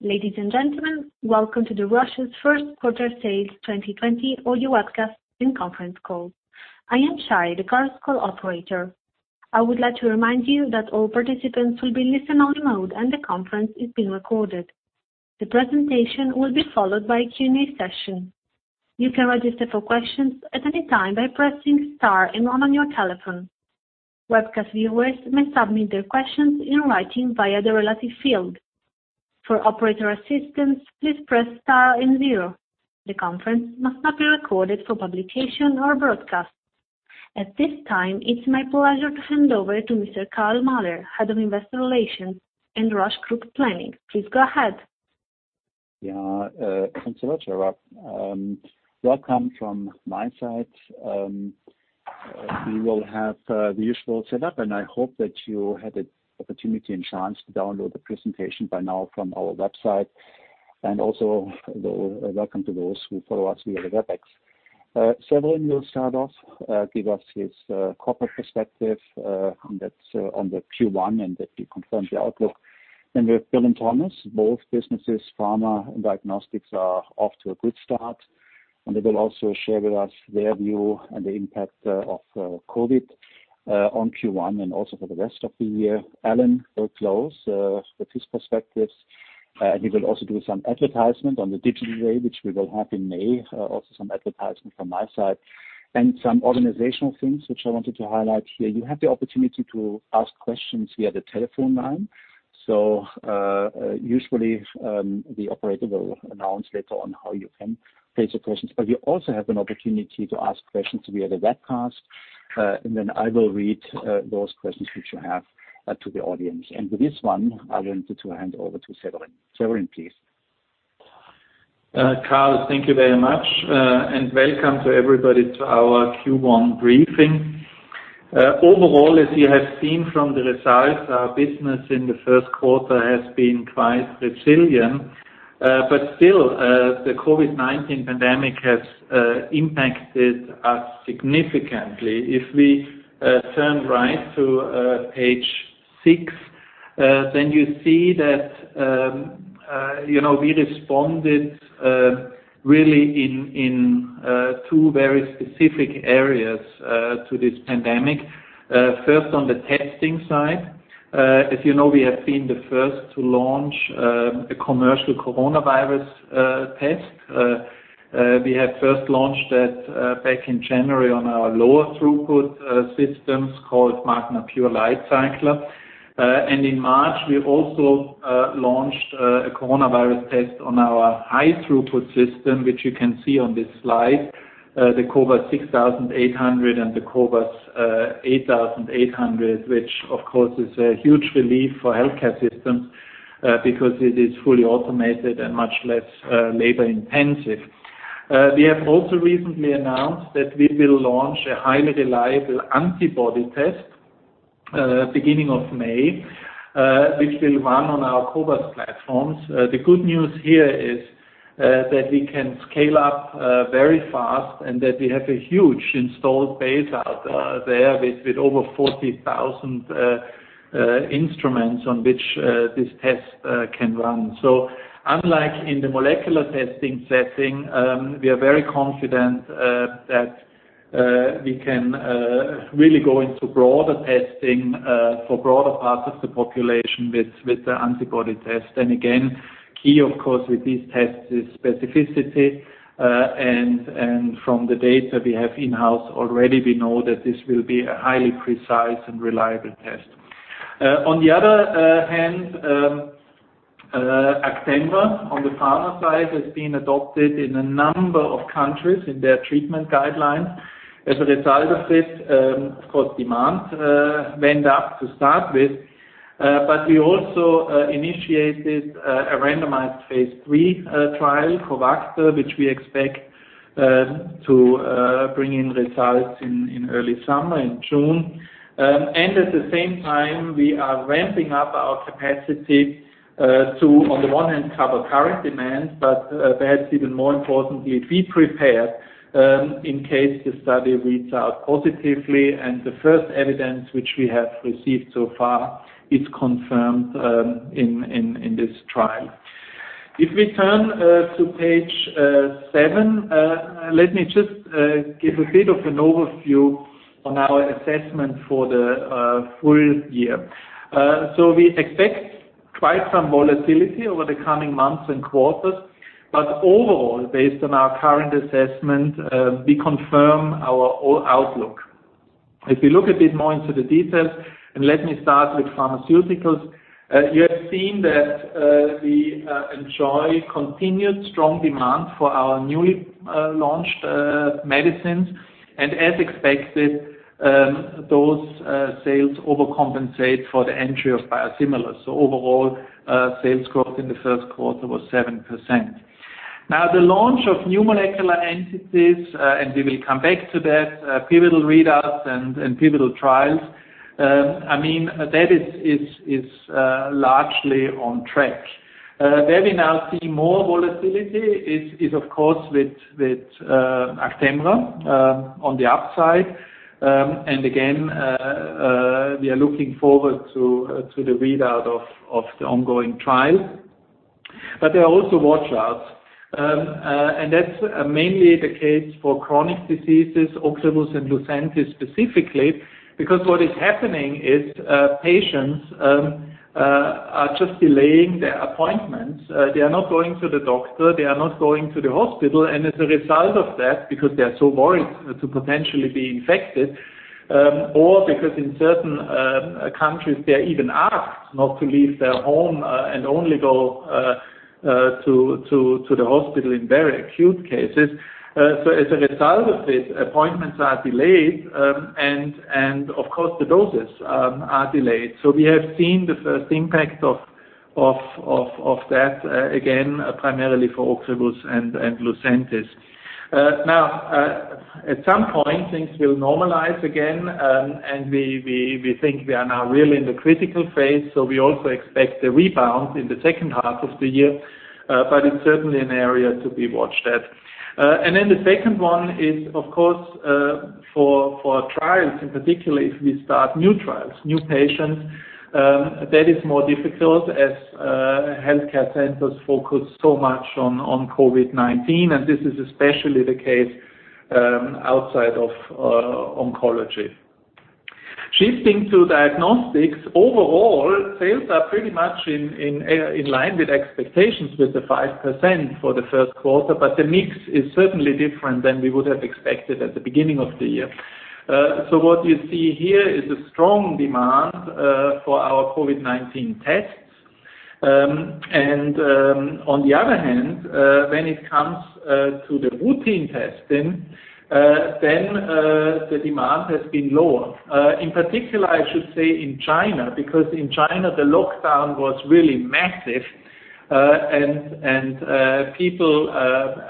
Ladies and gentlemen, welcome to the Roche's first quarter sales 2020 audio webcast and conference call. I am Shy, the conference call operator. I would like to remind you that all participants will be listen-only mode and the conference is being recorded. The presentation will be followed by a Q&A session. You can register for questions at any time by pressing star and one on your telephone. Webcast viewers may submit their questions in writing via the relevant field. For operator assistance, please press star and zero. The conference must not be recorded for publication or broadcast. At this time, it's my pleasure to hand over to Mr. Karl Mahler, Head of Investor Relations and Roche Group Planning. Please go ahead. Yeah, thanks a lot, Shy. Welcome from my side. We will have the usual setup. I hope that you had the opportunity and chance to download the presentation by now from our website. Also, welcome to those who follow us via the Webex. Severin will start off, give us his corporate perspective on the Q1. He confirms the outlook. We have Bill and Thomas, both businesses, pharma and diagnostics, are off to a good start. They will also share with us their view and the impact of COVID on Q1 and also for the rest of the year. Alan will close with his perspectives. He will also do some advertisement on the Digital Day, which we will have in May. Also, some advertisement from my side. Some organizational things which I wanted to highlight here. You have the opportunity to ask questions via the telephone line. Usually, the operator will announce later on how you can place your questions. You also have an opportunity to ask questions via the webcast, then I will read those questions which you have to the audience. With this one, I wanted to hand over to Severin. Severin, please. Karl, thank you very much. Welcome to everybody to our Q1 briefing. Overall, as you have seen from the results, our business in the first quarter has been quite resilient. Still, the COVID-19 pandemic has impacted us significantly. If we turn right to page six, then you see that we responded really in two very specific areas to this pandemic. First, on the testing side. As you know, we have been the first to launch a commercial coronavirus test. We had first launched that back in January on our lower throughput systems called MagNA Pure LightCycler. In March, we also launched a coronavirus test on our high throughput system, which you can see on this slide, the cobas 6800 and the cobas 8800, which of course, is a huge relief for healthcare systems because it is fully automated and much less labor-intensive. We have also recently announced that we will launch a highly reliable antibody test beginning of May, which will run on our cobas platforms. The good news here is that we can scale up very fast and that we have a huge installed base out there with over 40,000 instruments on which this test can run. Unlike in the molecular testing setting, we are very confident that we can really go into broader testing for broader parts of the population with the antibody test. Again, key, of course, with these tests is specificity. From the data we have in-house already, we know that this will be a highly precise and reliable test. On the other hand, Actemra on the pharma side has been adopted in a number of countries in their treatment guidelines. As a result of this, of course, demand went up to start with, but we also initiated a randomized phase III trial, COVACTA, which we expect to bring in results in early summer, in June. At the same time, we are ramping up our capacity to, on the one hand, cover current demand, but perhaps even more importantly, be prepared in case the study reads out positively. The first evidence which we have received so far is confirmed in this trial. If we turn to page seven, let me just give a bit of an overview on our assessment for the full year. We expect quite some volatility over the coming months and quarters. Overall, based on our current assessment, we confirm our outlook. If you look a bit more into the details, let me start with pharmaceuticals. You have seen that we enjoy continued strong demand for our newly launched medicines. As expected, those sales overcompensate for the entry of biosimilars. Overall, sales growth in the first quarter was 7%. The launch of new molecular entities, and we will come back to that, pivotal readouts and pivotal trials. That is largely on track. Where we now see more volatility is, of course, with Actemra on the upside. Again, we are looking forward to the readout of the ongoing trial. There are also watch-outs. That's mainly the case for chronic diseases, OCREVUS and Lucentis specifically, because what is happening is patients are just delaying their appointments. They are not going to the doctor. They are not going to the hospital. As a result of that, because they are so worried to potentially be infected or because in certain countries they are even asked not to leave their home and only go to the hospital in very acute cases. As a result of this, appointments are delayed and of course the doses are delayed. We have seen the first impact of that, again, primarily for OCREVUS and Lucentis. At some point, things will normalize again. We think we are now really in the critical phase. We also expect a rebound in the second half of the year. It's certainly an area to be watched at. The second one is, of course, for trials in particular, if we start new trials, new patients, that is more difficult as healthcare centers focus so much on COVID-19 and this is especially the case outside of oncology. Shifting to diagnostics, overall, sales are pretty much in line with expectations with the 5% for the first quarter, but the mix is certainly different than we would have expected at the beginning of the year. What you see here is a strong demand for our COVID-19 tests. On the other hand, when it comes to the routine testing, the demand has been lower. In particular, I should say in China, because in China the lockdown was really massive and people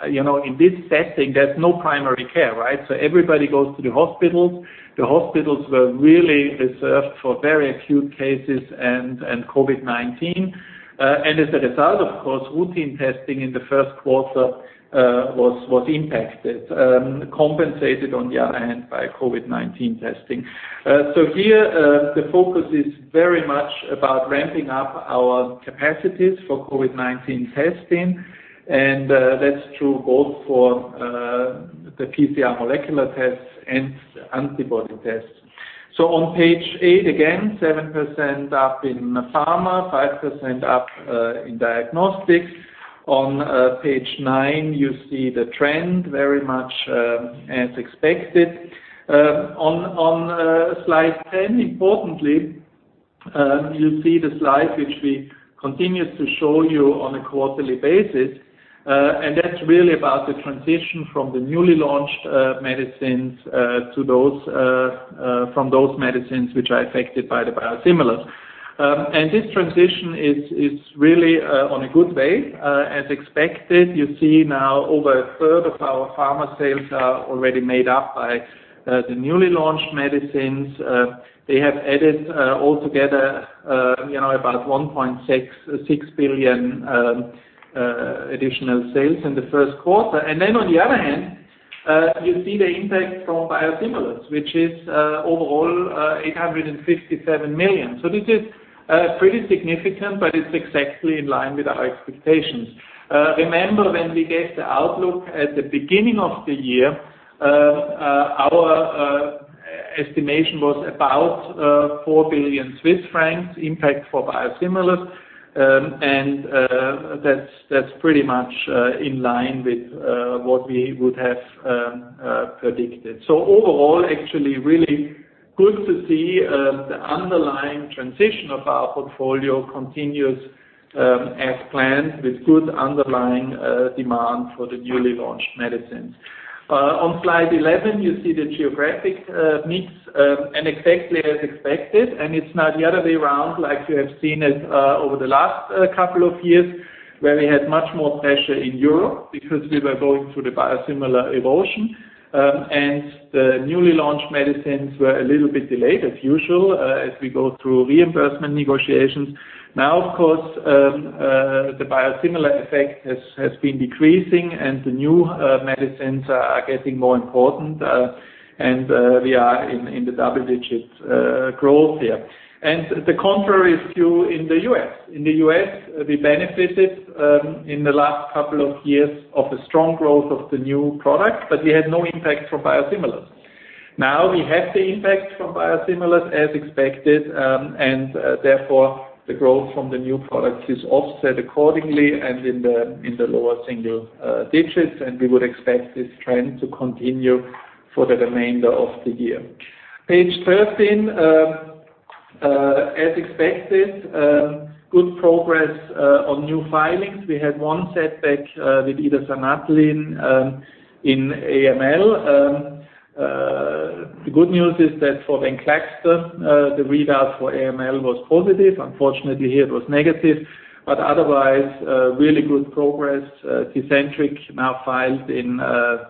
in this setting, there's no primary care, right? Everybody goes to the hospitals. The hospitals were really reserved for very acute cases and COVID-19. As a result, of course, routine testing in the first quarter was impacted, compensated on the other hand by COVID-19 testing. Here the focus is very much about ramping up our capacities for COVID-19 testing and that's true both for the PCR molecular tests and antibody tests. On page eight, again, 7% up in pharma, 5% up in diagnostics. On page nine, you see the trend very much as expected. On slide 10, importantly, you see the slide which we continue to show you on a quarterly basis and that's really about the transition from the newly launched medicines from those medicines which are affected by the biosimilars. This transition is really on a good way as expected. You see now over a third of our pharma sales are already made up by the newly launched medicines. They have added all together about 1.66 billion additional sales in the first quarter. On the other hand, you see the impact from biosimilars, which is overall 857 million. This is pretty significant, but it's exactly in line with our expectations. Remember when we gave the outlook at the beginning of the year, our estimation was about 4 billion Swiss francs impact for biosimilars and that's pretty much in line with what we would have predicted. Overall, actually really good to see the underlying transition of our portfolio continues as planned with good underlying demand for the newly launched medicines. On slide 11, you see the geographic mix exactly as expected and it's now the other way around like you have seen it over the last couple of years where we had much more pressure in Europe because we were going through the biosimilar evolution and the newly launched medicines were a little bit delayed as usual as we go through reimbursement negotiations. Of course, the biosimilar effect has been decreasing and the new medicines are getting more important and we are in the double-digit growth here. The contrary is true in the U.S. In the U.S., we benefited in the last couple of years of the strong growth of the new product, but we had no impact from biosimilars. We have the impact from biosimilars as expected and therefore the growth from the new products is offset accordingly and in the lower single digits and we would expect this trend to continue for the remainder of the year. Page 13 as expected good progress on new filings. We had one setback with idasanutlin in AML. The good news is that for Venclexta, the readout for AML was positive. Unfortunately, here it was negative. Otherwise, really good progress. TECENTRIQ now filed in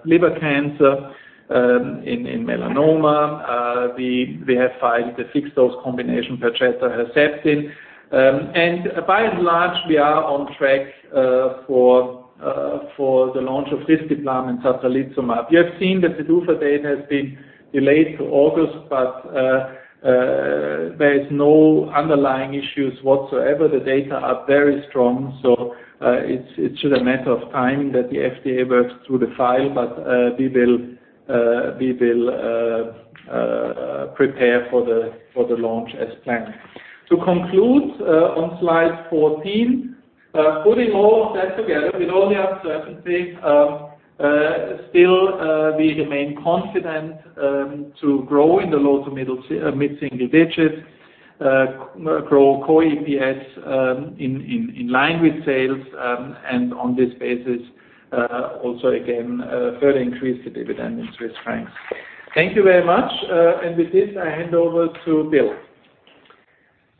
liver cancer, in melanoma. We have filed the fixed-dose combination Perjeta/Herceptin. By and large, we are on track for the launch of risdiplam and satralizumab. You have seen the Xofluza data has been delayed to August, there is no underlying issues whatsoever. The data are very strong, it's just a matter of time that the FDA works through the file. We will prepare for the launch as planned. To conclude, on slide 14, putting all of that together with all the uncertainties, still we remain confident to grow in the low to mid-single digits, grow core EPS in line with sales, and on this basis also again further increase the dividend in CHF. Thank you very much, and with this, I hand over to Bill.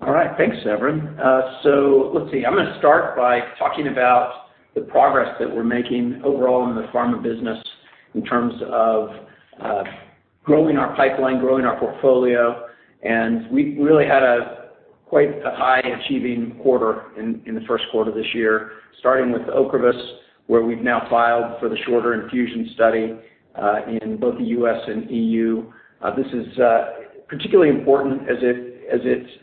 All right. Thanks, Severin. Let's see. I'm going to start by talking about the progress that we're making overall in the pharma business in terms of growing our pipeline, growing our portfolio. We really had a quite high achieving quarter in the first quarter of this year, starting with OCREVUS, where we've now filed for the shorter infusion study in both the U.S. and EU. This is particularly important as it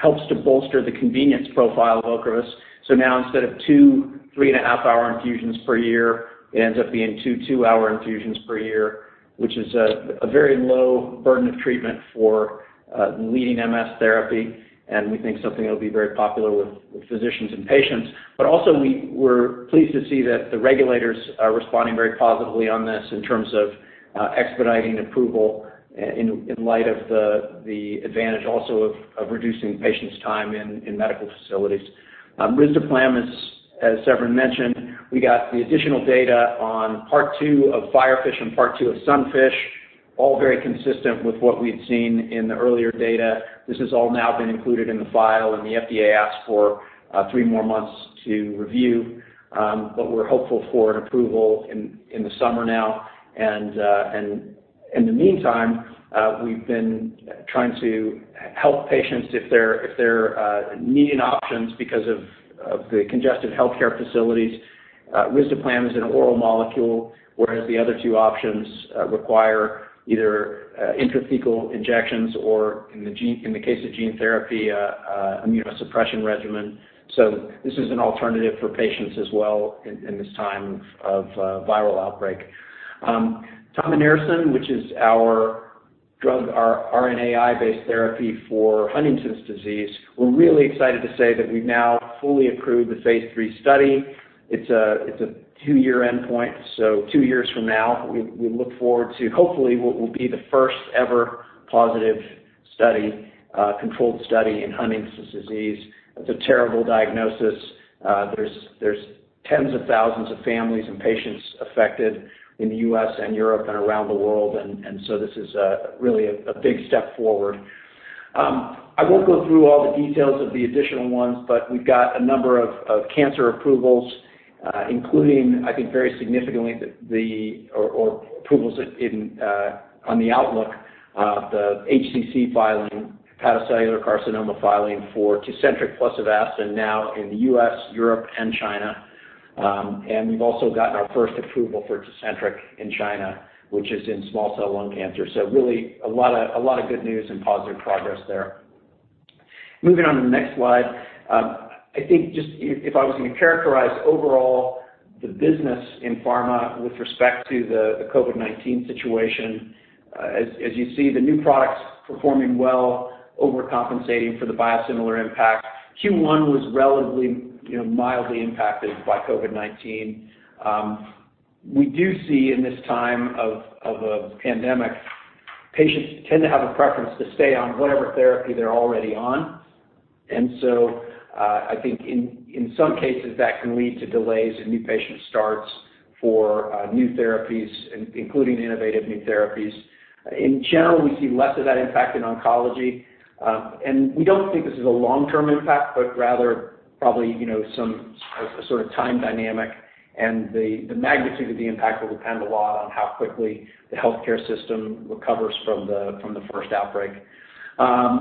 helps to bolster the convenience profile of OCREVUS. Now instead of two three-and-a-half-hour infusions per year, it ends up being two two-hour infusions per year, which is a very low burden of treatment for leading MS therapy, and we think something that'll be very popular with physicians and patients. Also, we're pleased to see that the regulators are responding very positively on this in terms of expediting approval in light of the advantage also of reducing patients' time in medical facilities. risdiplam, as Severin mentioned, we got the additional data on part two of FIREFISH and part two of SUNFISH, all very consistent with what we'd seen in the earlier data. This has all now been included in the file, the FDA asked for three more months to review. We're hopeful for an approval in the summer now. In the meantime, we've been trying to help patients if they're needing options because of the congested healthcare facilities. risdiplam is an oral molecule, whereas the other two options require either intrathecal injections or, in the case of gene therapy, immunosuppression regimen. This is an alternative for patients as well in this time of viral outbreak. Tominersen, which is our RNAi-based therapy for Huntington's disease, we're really excited to say that we've now fully approved the phase III study. It's a two-year endpoint. Two years from now, we look forward to hopefully what will be the first ever positive controlled study in Huntington's disease. It's a terrible diagnosis. There's tens of thousands of families and patients affected in the U.S. and Europe and around the world. This is really a big step forward. I won't go through all the details of the additional ones. We've got a number of cancer approvals, including, I think very significantly, or approvals on the outlook, the HCC filing, hepatocellular carcinoma filing for TECENTRIQ plus AVASTIN now in the U.S., Europe, and China. We've also gotten our first approval for TECENTRIQ in China, which is in small cell lung cancer. Really a lot of good news and positive progress there. Moving on to the next slide. I think if I was going to characterize overall the business in pharma with respect to the COVID-19 situation, as you see, the new products performing well, overcompensating for the biosimilar impact. Q1 was relatively mildly impacted by COVID-19. We do see in this time of a pandemic, patients tend to have a preference to stay on whatever therapy they're already on. I think in some cases, that can lead to delays in new patient starts for new therapies, including innovative new therapies. In general, we see less of that impact in oncology. We don't think this is a long-term impact, but rather probably some sort of time dynamic. The magnitude of the impact will depend a lot on how quickly the healthcare system recovers from the first outbreak.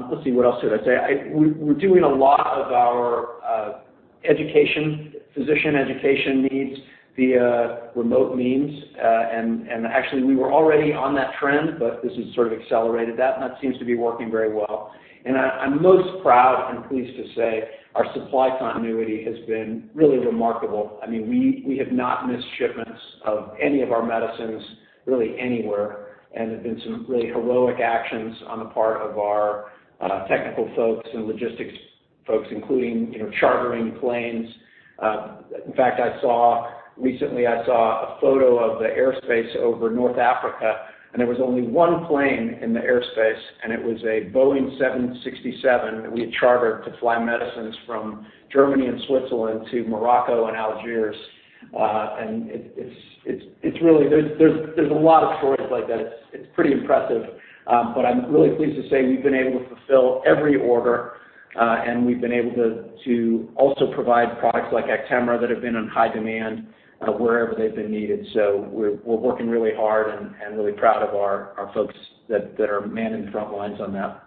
Let's see, what else did I say? We're doing a lot of our physician education needs via remote means. Actually, we were already on that trend, but this has sort of accelerated that, and that seems to be working very well. I'm most proud and pleased to say our supply continuity has been really remarkable. We have not missed shipments of any of our medicines really anywhere, and there have been some really heroic actions on the part of our technical folks and logistics folks, including chartering planes. In fact, recently I saw a photo of the airspace over North Africa, and there was only one plane in the airspace, and it was a Boeing 767 that we had chartered to fly medicines from Germany and Switzerland to Morocco and Algiers. There's a lot of stories like that. It's pretty impressive. I'm really pleased to say we've been able to fulfill every order, and we've been able to also provide products like Actemra that have been in high demand wherever they've been needed. So we're working really hard and really proud of our folks that are manning the front lines on that.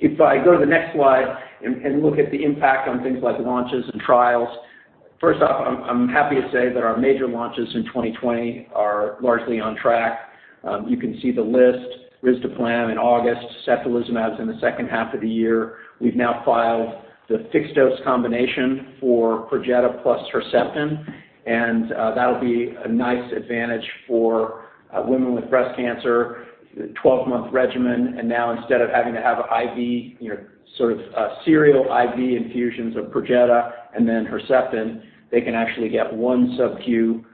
If I go to the next slide and look at the impact on things like launches and trials. First off, I'm happy to say that our major launches in 2020 are largely on track. You can see the list, risdiplam in August, satralizumab is in the second half of the year. We've now filed the fixed dose combination for Perjeta plus Herceptin, and that'll be a nice advantage for women with breast cancer, the 12-month regimen. Now instead of having to have IV, sort of serial IV infusions of Perjeta and then Herceptin, they can actually get one sub-Q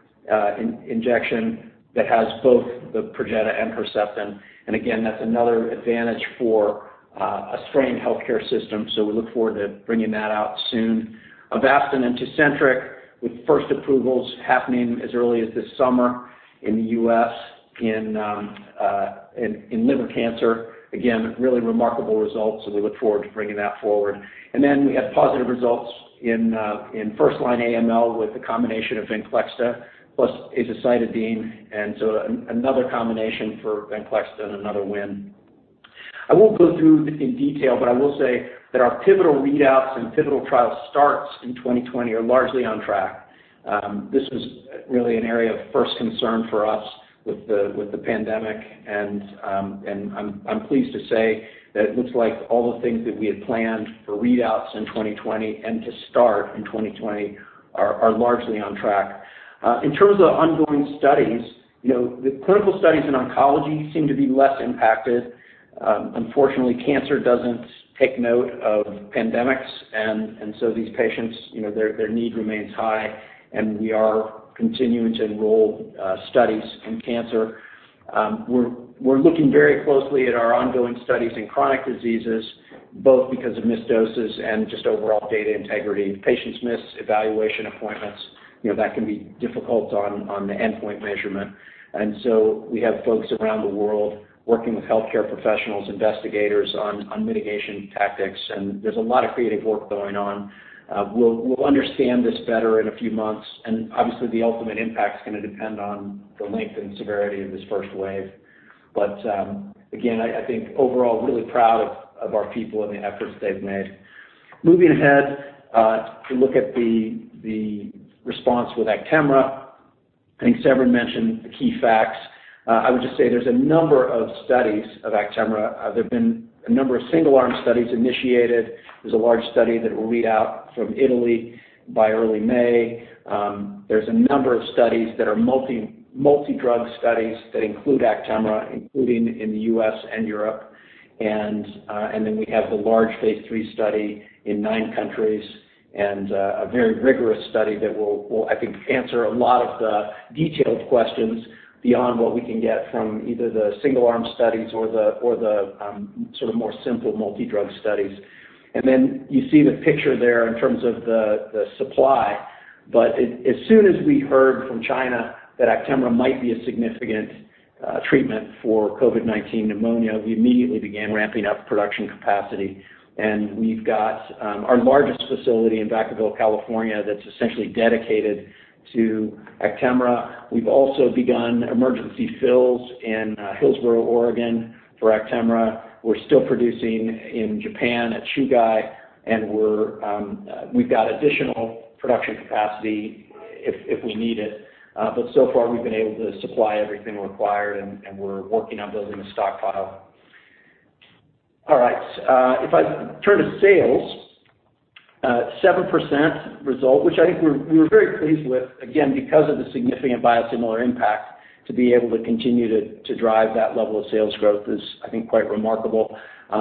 injection that has both the Perjeta and Herceptin. Again, that's another advantage for a strained healthcare system. We look forward to bringing that out soon. Avastin and TECENTRIQ, with first approvals happening as early as this summer in the U.S. in liver cancer. Again, really remarkable results, so we look forward to bringing that forward. Then we had positive results in first-line AML with the combination of Venclexta plus azacitidine, and so another combination for Venclexta and another win. I won't go through in detail, but I will say that our pivotal readouts and pivotal trial starts in 2020 are largely on track. This was really an area of first concern for us with the pandemic. I'm pleased to say that it looks like all the things that we had planned for readouts in 2020, to start in 2020, are largely on track. In terms of ongoing studies, the clinical studies in oncology seem to be less impacted. Unfortunately, cancer doesn't take note of pandemics. These patients, their need remains high. We are continuing to enroll studies in cancer. We're looking very closely at our ongoing studies in chronic diseases, both because of missed doses just overall data integrity. Patients miss evaluation appointments, that can be difficult on the endpoint measurement. We have folks around the world working with healthcare professionals, investigators on mitigation tactics. There's a lot of creative work going on. We'll understand this better in a few months, obviously the ultimate impact is going to depend on the length and severity of this first wave. Again, I think overall, really proud of our people and the efforts they've made. Moving ahead to look at the response with Actemra. I think Severin mentioned the key facts. I would just say there's a number of studies of Actemra. There have been a number of single-arm studies initiated. There's a large study that will read out from Italy by early May. There's a number of studies that are multi-drug studies that include Actemra, including in the U.S. and Europe. We have the large phase III study in nine countries, and a very rigorous study that will, I think, answer a lot of the detailed questions beyond what we can get from either the single-arm studies or the sort of more simple multi-drug studies. You see the picture there in terms of the supply. As soon as we heard from China that Actemra might be a significant treatment for COVID-19 pneumonia, we immediately began ramping up production capacity. We've got our largest facility in Vacaville, California, that's essentially dedicated to Actemra. We've also begun emergency fills in Hillsboro, Oregon, for Actemra. We're still producing in Japan at Chugai, and we've got additional production capacity if we need it. So far, we've been able to supply everything required, and we're working on building a stockpile. All right. If I turn to sales, 7% result, which I think we're very pleased with, again, because of the significant biosimilar impact. To be able to continue to drive that level of sales growth is I think quite remarkable.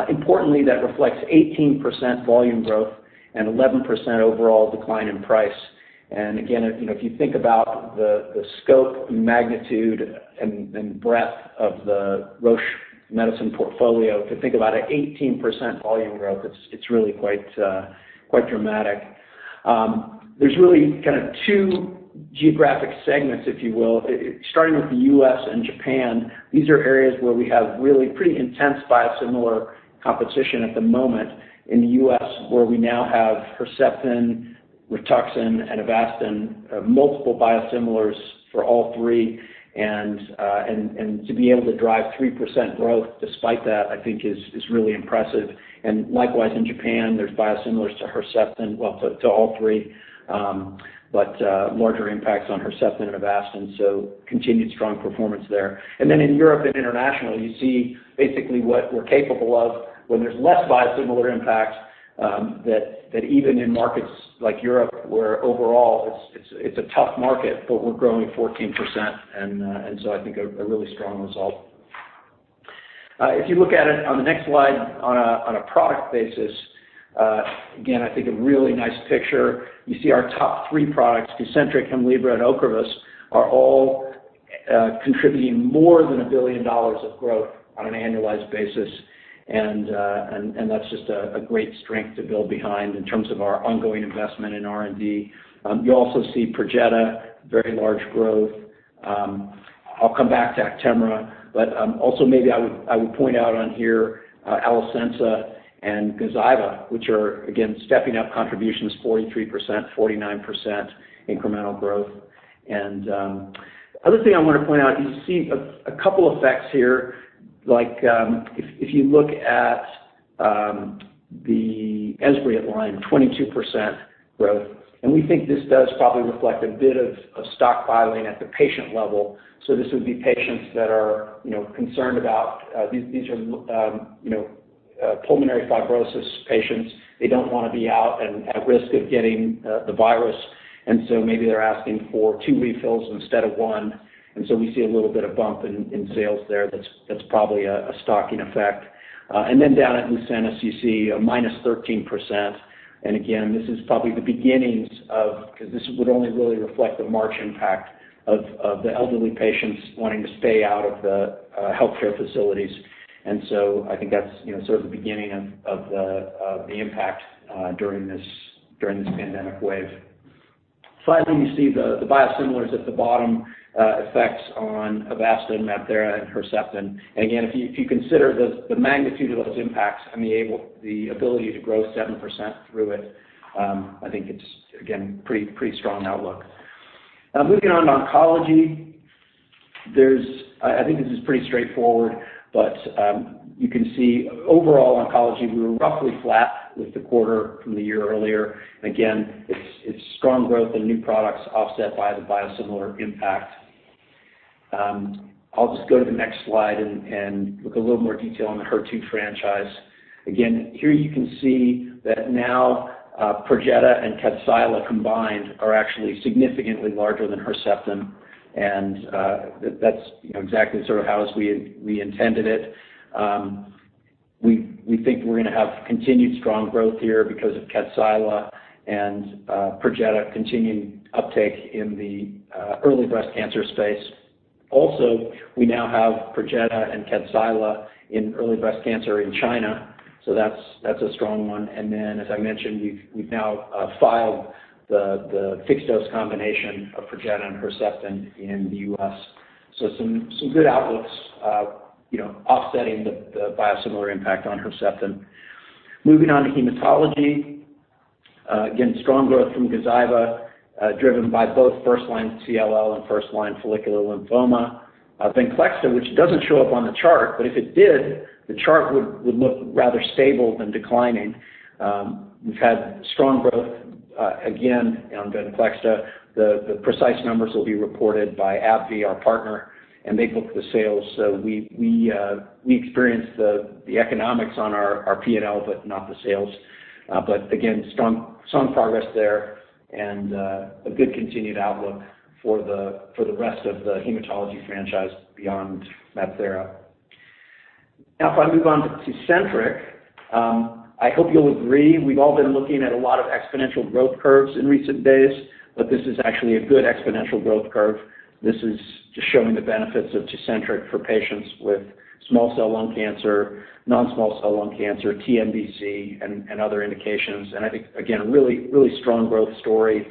Importantly, that reflects 18% volume growth and 11% overall decline in price. Again, if you think about the scope, the magnitude, and breadth of the Roche medicine portfolio, to think about an 18% volume growth, it's really quite dramatic. There's really kind of two geographic segments, if you will, starting with the U.S. and Japan. These are areas where we have really pretty intense biosimilar competition at the moment. In the U.S., where we now have Herceptin, Rituxan, and Avastin, multiple biosimilars for all three. To be able to drive 3% growth despite that, I think is really impressive. Likewise, in Japan, there's biosimilars to Herceptin, well, to all three, but larger impacts on Herceptin and Avastin, so continued strong performance there. In Europe and internationally, you see basically what we're capable of when there's less biosimilar impact, that even in markets like Europe, where overall it's a tough market, but we're growing 14%. I think a really strong result. If you look at it on the next slide on a product basis, again, I think a really nice picture. You see our top three products, TECENTRIQ, Hemlibra, and OCREVUS, are all contributing more than CHF 1 billion of growth on an annualized basis, and that's just a great strength to build behind in terms of our ongoing investment in R&D. You also see Perjeta, very large growth. I'll come back to Actemra, but also maybe I would point out on here, Alecensa and Gazyva, which are again stepping up contributions 43%, 49% incremental growth. The other thing I want to point out, you see a couple effects here, like if you look at the Esbriet line, 22% growth, we think this does probably reflect a bit of stockpiling at the patient level. This would be patients that are concerned about. These are pulmonary fibrosis patients. They don't want to be out and at risk of getting the virus, maybe they're asking for two refills instead of one, we see a little bit of bump in sales there that's probably a stocking effect. Down at Lucentis, you see a -13%. Again, this is probably the beginnings of Because this would only really reflect the March impact of the elderly patients wanting to stay out of the healthcare facilities. I think that's sort of the beginning of the impact during this pandemic wave. Finally, you see the biosimilars at the bottom effects on Avastin, MabThera and Herceptin. Again, if you consider the magnitude of those impacts and the ability to grow 7% through it, I think it's again, pretty strong outlook. Now moving on to oncology, I think this is pretty straightforward, but you can see overall oncology, we were roughly flat with the quarter from the year earlier. Again, it's strong growth and new products offset by the biosimilar impact. I'll just go to the next slide and look a little more detail on the HER2 franchise. Here you can see that now Perjeta and Kadcyla combined are actually significantly larger than Herceptin. That's exactly sort of how we intended it. We think we're going to have continued strong growth here because of Kadcyla and Perjeta continuing uptake in the early breast cancer space. We now have Perjeta and Kadcyla in early breast cancer in China. That's a strong one. As I mentioned, we've now filed the fixed dose combination of Perjeta and Herceptin in the U.S. Some good outlooks offsetting the biosimilar impact on Herceptin. Moving on to hematology. Strong growth from Gazyva, driven by both first line CLL and first line follicular lymphoma. Venclexta, which doesn't show up on the chart, but if it did, the chart would look rather stable than declining. We've had strong growth again on Venclexta. The precise numbers will be reported by AbbVie, our partner, and they book the sales. We experience the economics on our P&L, but not the sales. Again, strong progress there and a good continued outlook for the rest of the hematology franchise beyond MabThera. If I move on to TECENTRIQ, I hope you'll agree, we've all been looking at a lot of exponential growth curves in recent days, but this is actually a good exponential growth curve. This is just showing the benefits of TECENTRIQ for patients with small cell lung cancer, non-small cell lung cancer, TNBC and other indications. I think, again, a really strong growth story,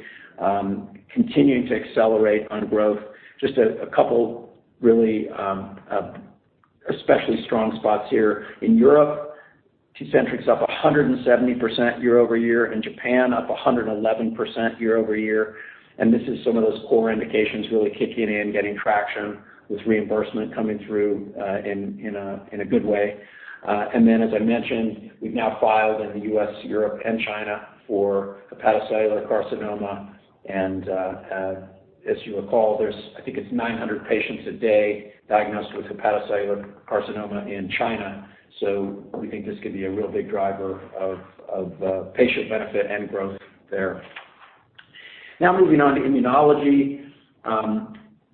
continuing to accelerate on growth. Just a couple really especially strong spots here in Europe. TECENTRIQ's up 170% year-over-year. In Japan, up 111% year-over-year. This is some of those core indications really kicking in, getting traction with reimbursement coming through in a good way. As I mentioned, we've now filed in the U.S., Europe, and China for hepatocellular carcinoma. As you recall, there's I think it's 900 patients a day diagnosed with hepatocellular carcinoma in China. We think this could be a real big driver of patient benefit and growth there. Moving on to immunology.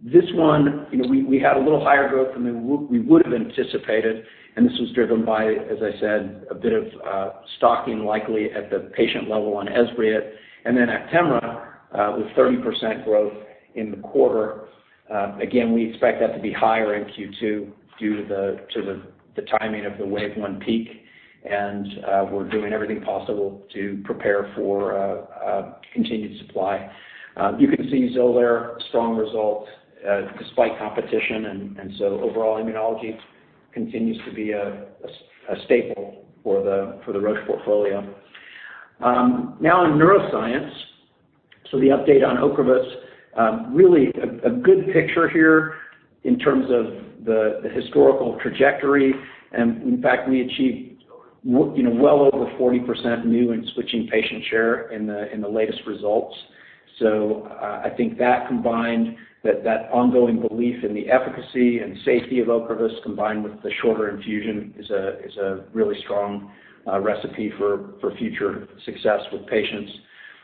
This one, we had a little higher growth than we would have anticipated, and this was driven by, as I said, a bit of stocking likely at the patient level on Esbriet. Actemra with 30% growth in the quarter. Again, we expect that to be higher in Q2 due to the timing of the wave one peak, and we're doing everything possible to prepare for continued supply. You can see Xolair, strong result despite competition, and so overall immunology continues to be a staple for the Roche portfolio. Now in neuroscience, the update on OCREVUS, really a good picture here in terms of the historical trajectory, and in fact, we achieved well over 40% new and switching patient share in the latest results. I think that combined, that ongoing belief in the efficacy and safety of OCREVUS combined with the shorter infusion is a really strong recipe for future success with patients.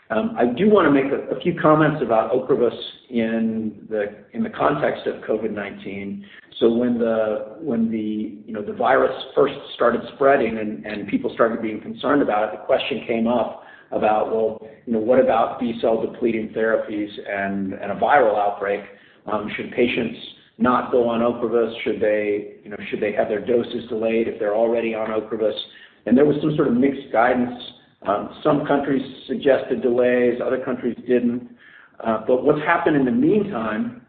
I do want to make a few comments about OCREVUS in the context of COVID-19. When the virus first started spreading and people started being concerned about it, the question came up about, well, what about B-cell depleting therapies and a viral outbreak? Should patients not go on OCREVUS? Should they have their doses delayed if they're already on OCREVUS? There was some sort of mixed guidance. Some countries suggested delays, other countries didn't. What's happened in the meantime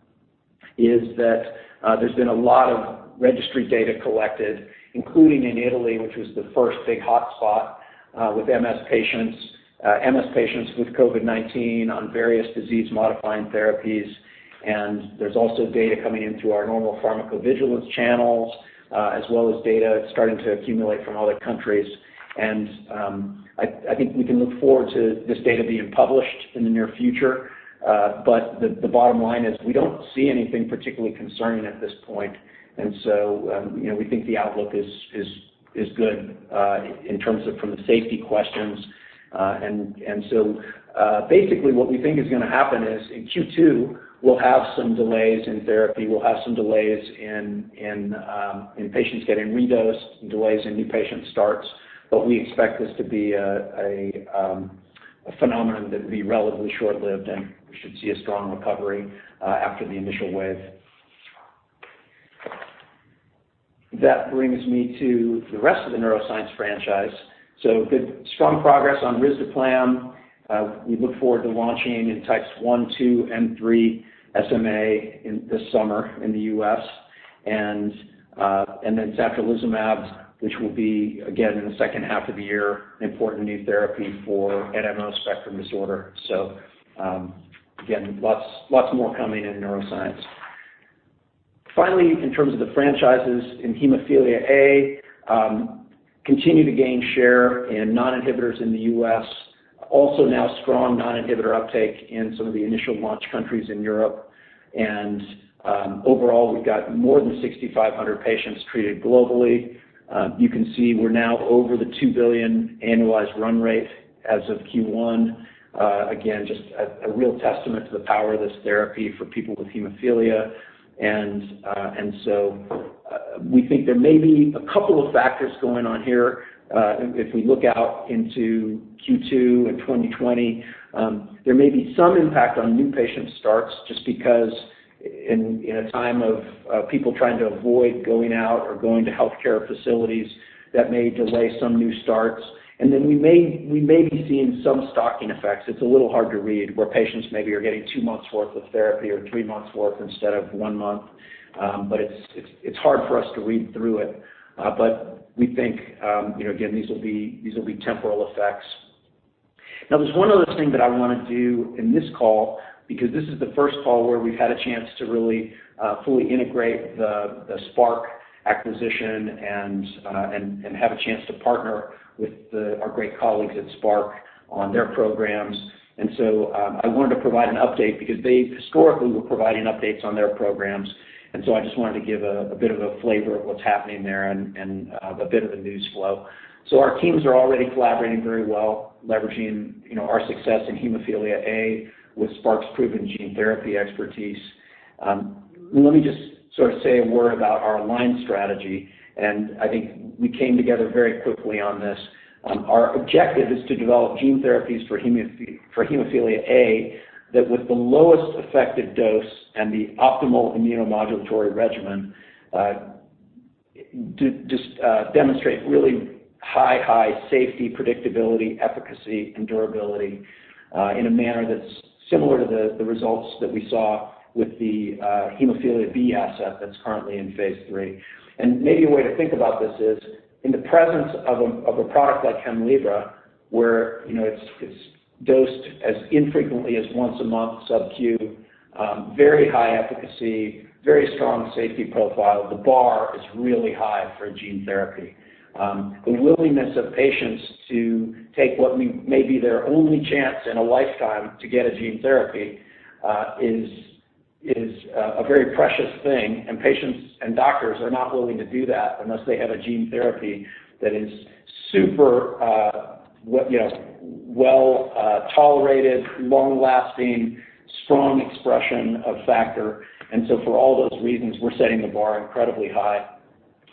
is that there's been a lot of registry data collected, including in Italy, which was the first big hotspot with MS patients with COVID-19 on various disease-modifying therapies. There's also data coming in through our normal pharmacovigilance channels, as well as data starting to accumulate from other countries. I think we can look forward to this data being published in the near future. The bottom line is we don't see anything particularly concerning at this point, and so we think the outlook is good in terms of from the safety questions. Basically what we think is going to happen is in Q2, we'll have some delays in therapy, we'll have some delays in patients getting redosed, delays in new patient starts. We expect this to be a phenomenon that will be relatively short-lived, and we should see a strong recovery after the initial wave. That brings me to the rest of the neuroscience franchise. Good, strong progress on risdiplam. We look forward to launching in types one, two, and three SMA this summer in the U.S. Satralizumab, which will be again in the second half of the year, important new therapy for NMO spectrum disorder. Finally, in terms of the franchises in hemophilia A, continue to gain share in non-inhibitors in the U.S. Also now strong non-inhibitor uptake in some of the initial launch countries in Europe. Overall, we've got more than 6,500 patients treated globally. You can see we're now over the 2 billion annualized run rate as of Q1. Just a real testament to the power of this therapy for people with hemophilia. We think there may be a couple of factors going on here. If we look out into Q2 and 2020, there may be some impact on new patient starts just because in a time of people trying to avoid going out or going to healthcare facilities, that may delay some new starts. Then we may be seeing some stocking effects. It's a little hard to read where patients maybe are getting two months worth of therapy or three months worth instead of one month. It's hard for us to read through it. We think these will be temporal effects. There's one other thing that I want to do in this call because this is the first call where we've had a chance to really fully integrate the Spark acquisition and have a chance to partner with our great colleagues at Spark on their programs. I wanted to provide an update because they historically were providing updates on their programs, and so I just wanted to give a bit of a flavor of what's happening there and a bit of a news flow. Our teams are already collaborating very well, leveraging our success in hemophilia A with Spark's proven gene therapy expertise. Let me just sort of say a word about our align strategy, and I think we came together very quickly on this. Our objective is to develop gene therapies for hemophilia A that with the lowest effective dose and the optimal immunomodulatory regimen demonstrate really high safety, predictability, efficacy, and durability in a manner that's similar to the results that we saw with the hemophilia B asset that's currently in phase III. Maybe a way to think about this is in the presence of a product like Hemlibra, where it's dosed as infrequently as once a month sub-Q, very high efficacy, very strong safety profile, the bar is really high for a gene therapy. The willingness of patients to take what may be their only chance in a lifetime to get a gene therapy is a very precious thing, and patients and doctors are not willing to do that unless they have a gene therapy that is super well-tolerated, long-lasting, strong expression of factor. For all those reasons, we're setting the bar incredibly high.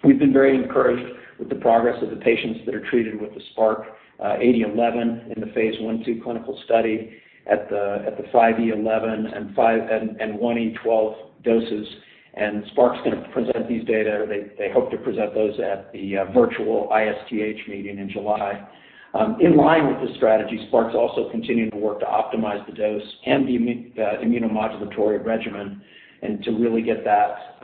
We've been very encouraged with the progress of the patients that are treated with the SPK-8011 in the phase I-II clinical study at the 5E11 and 1E12 doses, and Spark's going to present these data. They hope to present those at the virtual ISTH meeting in July. In line with this strategy, Spark's also continuing to work to optimize the dose and the immunomodulatory regimen and to really get that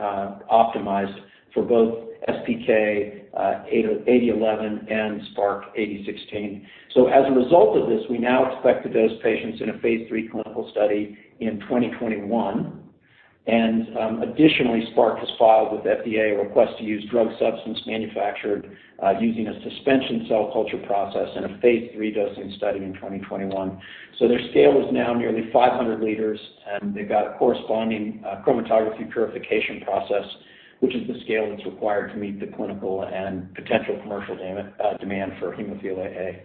optimized for both SPK-8011 and SPK-8016. As a result of this, we now expect to dose patients in a phase III clinical study in 2021. Additionally, Spark has filed with FDA a request to use drug substance manufactured using a suspension cell culture process in a phase III dosing study in 2021. Their scale is now nearly 500 liters, and they've got a corresponding chromatography purification process, which is the scale that's required to meet the clinical and potential commercial demand for hemophilia A.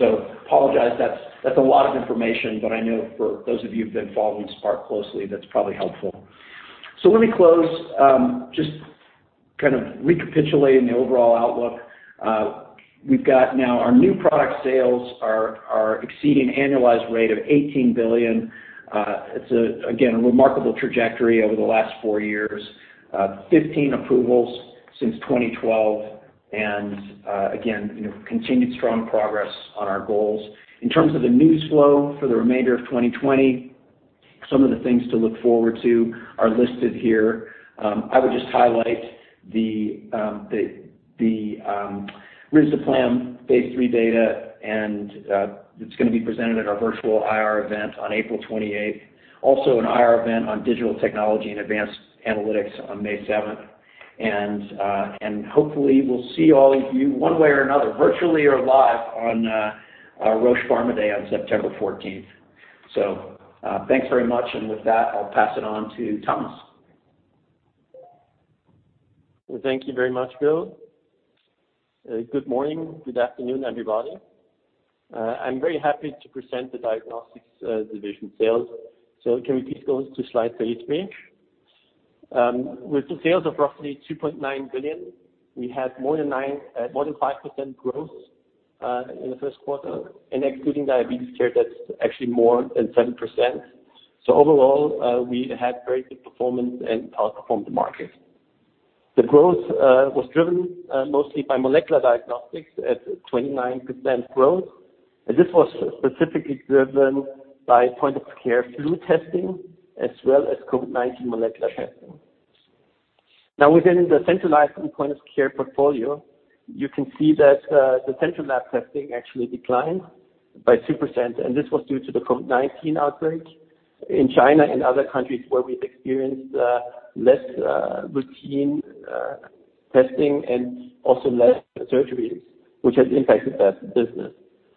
Apologize that's a lot of information, but I know for those of you who've been following Spark closely, that's probably helpful. Let me close, just kind of recapitulating the overall outlook. We've got now our new product sales are exceeding annualized rate of 18 billion. It's, again, a remarkable trajectory over the last four years. 15 approvals since 2012 and again, continued strong progress on our goals. In terms of the news flow for the remainder of 2020, some of the things to look forward to are listed here. I would just highlight the risdiplam phase III data, and it's going to be presented at our virtual IR event on April 28th. Also an IR event on digital technology and advanced analytics on May 7th. Hopefully we'll see all of you one way or another, virtually or live, on our Roche Pharma Day on September 14th. Thanks very much, and with that, I'll pass it on to Thomas. Well, thank you very much, Bill. Good morning, good afternoon, everybody. I'm very happy to present the diagnostics division sales. Can we please go to slide 33? With the sales of roughly 2.9 billion, we had more than 5% growth in the first quarter. Excluding diabetes care, that's actually more than 7%. Overall, we had very good performance and outperformed the market. The growth was driven mostly by molecular diagnostics at 29% growth. This was specifically driven by point-of-care flu testing as well as COVID-19 molecular testing. Now within the centralized and point-of-care portfolio, you can see that the central lab testing actually declined by 2%, and this was due to the COVID-19 outbreak in China and other countries where we've experienced less routine testing and also less surgeries, which has impacted that business.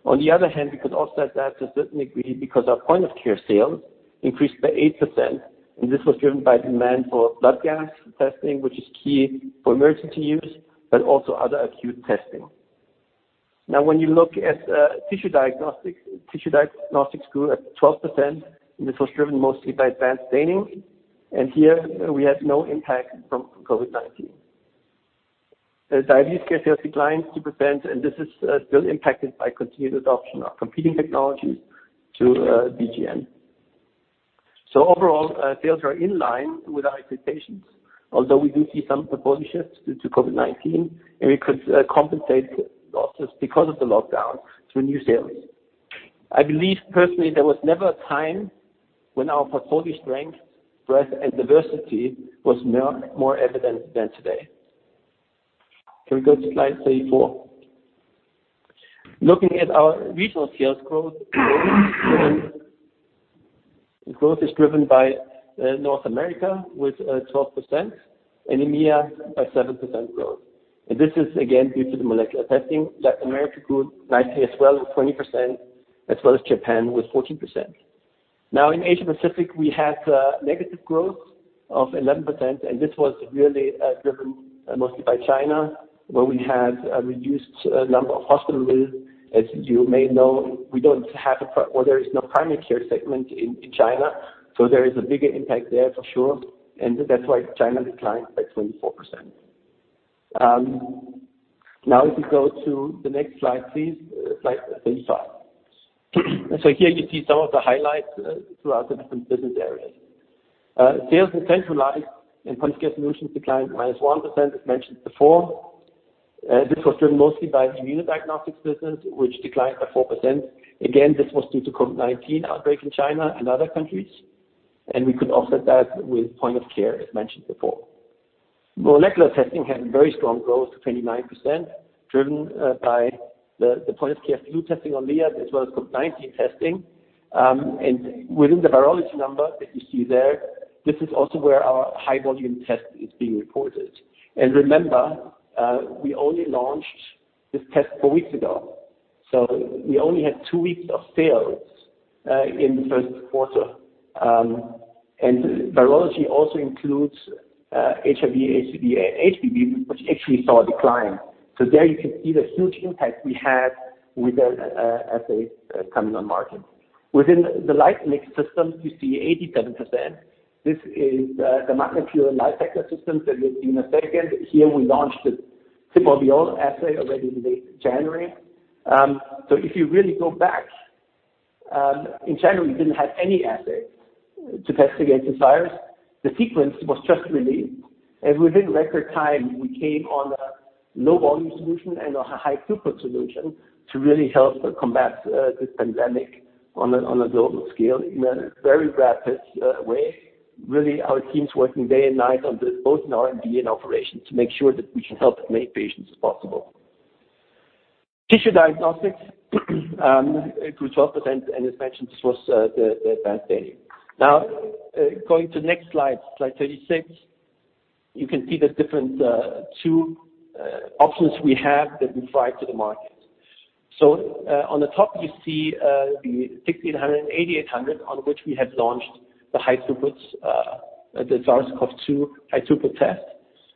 On the other hand, we could offset that to a certain degree because our point-of-care sales increased by 8%, and this was driven by demand for blood gas testing, which is key for emergency use, but also other acute testing. Now when you look at tissue diagnostics, tissue diagnostics grew at 12%, and this was driven mostly by advanced staining. Here we had no impact from COVID-19. Diabetes care sales declined 2%, and this is still impacted by continued adoption of competing technologies to BGM. Overall, sales are in line with our expectations, although we do see some portfolio shifts due to COVID-19, and we could compensate losses because of the lockdown through new sales. I believe personally, there was never a time when our portfolio strength, breadth, and diversity was more evident than today. Can we go to slide 34? Looking at our regional sales growth, the growth is driven by North America with 12% and EMEA at 7% growth. This is again due to the molecular testing. Latin America grew nicely as well with 20%, as well as Japan with 14%. In Asia Pacific, we had negative growth of 11%, and this was really driven mostly by China, where we had a reduced number of hospital beds. As you may know, there is no primary care segment in China, so there is a bigger impact there for sure. That's why China declined by 24%. If we go to the next slide, please, slide 35. Here you see some of the highlights throughout the different business areas. Sales in centralized and point-of-care solutions declined minus 1%, as mentioned before. This was driven mostly by immuno-diagnostics business, which declined by 4%. This was due to COVID-19 outbreak in China and other countries. We could offset that with point of care, as mentioned before. Molecular testing had very strong growth, 29%, driven by the point-of-care flu testing on Liat, as well as COVID-19 testing. Within the virology number that you see there, this is also where our high-volume test is being reported. Remember, we only launched this test four weeks ago. We only had two weeks of sales in the first quarter. Virology also includes HIV, HCV, and HPV, which actually saw a decline. There you can see the huge impact we had with the assays coming on market. Within the LightMix system, you see 87%. This is the MagNA Pure LightCycler system that you'll see in a second. Here we launched the cobas SARS-CoV-2 assay already in late January. If you really go back, in January, we didn't have any assay to test against the virus. The sequence was just released. Within record time, we came on a low-volume solution and a high throughput solution to really help combat this pandemic on a global scale in a very rapid way. Really, our team's working day and night on this, both in R&D and operation, to make sure that we can help as many patients as possible. Tissue diagnostics grew 12%, and as mentioned, this was the advanced staining. Going to the next slide 36. You can see the different two options we have that we provide to the market. On the top, you see the cobas 6800 and cobas 8800, on which we have launched the cobas SARS-CoV-2 high throughput test.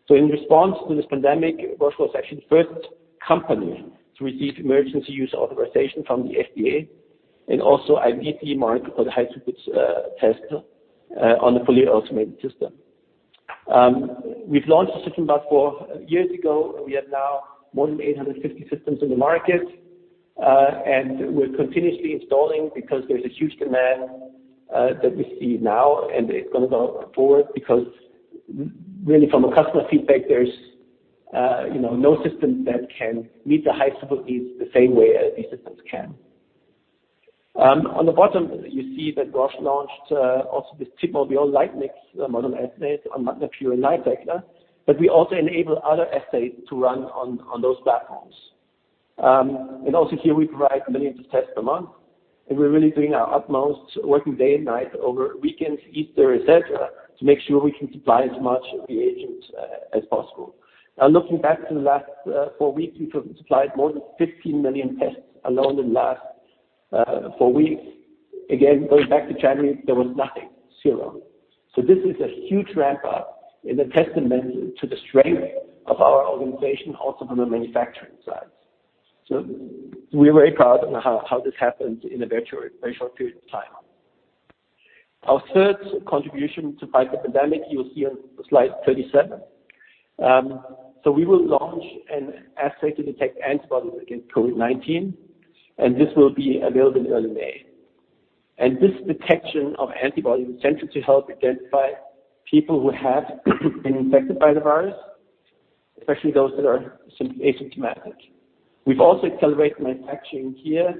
In response to this pandemic, Roche was actually the first company to receive emergency use authorization from the FDA, and also IVD mark for the high throughput test on a fully automated system. We've launched the system four years ago. We have now more than 850 systems in the market, and we're continuously installing because there's a huge demand that we see now, and it's going to go forward because really from a customer feedback, there's no system that can meet the high throughput needs the same way as these systems can. On the bottom, you see that Roche launched the LightMix molecular assay on the MagNA Pure LightCycler, but we also enable other assays to run on those platforms. Also here we provide millions of tests per month, and we're really doing our utmost, working day and night over weekends, Easter, et cetera, to make sure we can supply as much reagent as possible. Looking back to the last four weeks, we've supplied more than 15 million tests alone in the last four weeks. Going back to January, there was nothing, zero. This is a huge ramp-up and a testament to the strength of our organization, also from the manufacturing side. We're very proud of how this happened in a very short period of time. Our third contribution to fight the pandemic, you'll see on slide 37. We will launch an assay to detect antibodies against COVID-19, and this will be available in early May. This detection of antibodies is central to help identify people who have been infected by the virus, especially those that are asymptomatic. We've also accelerated manufacturing here,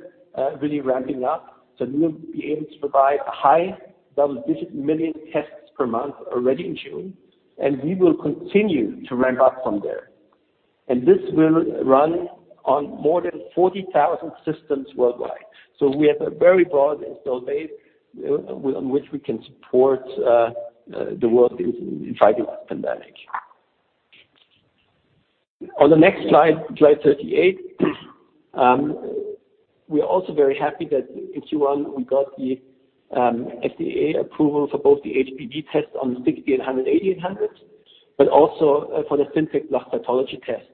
really ramping up. We will be able to provide a high double-digit million tests per month already in June, and we will continue to ramp up from there. This will run on more than 40,000 systems worldwide. We have a very broad install base on which we can support the world in fighting this pandemic. On the next slide 38, we are also very happy that in Q1 we got the FDA approval for both the HPV test on the 6800/8800, but also for the CINtec PLUS cytology test.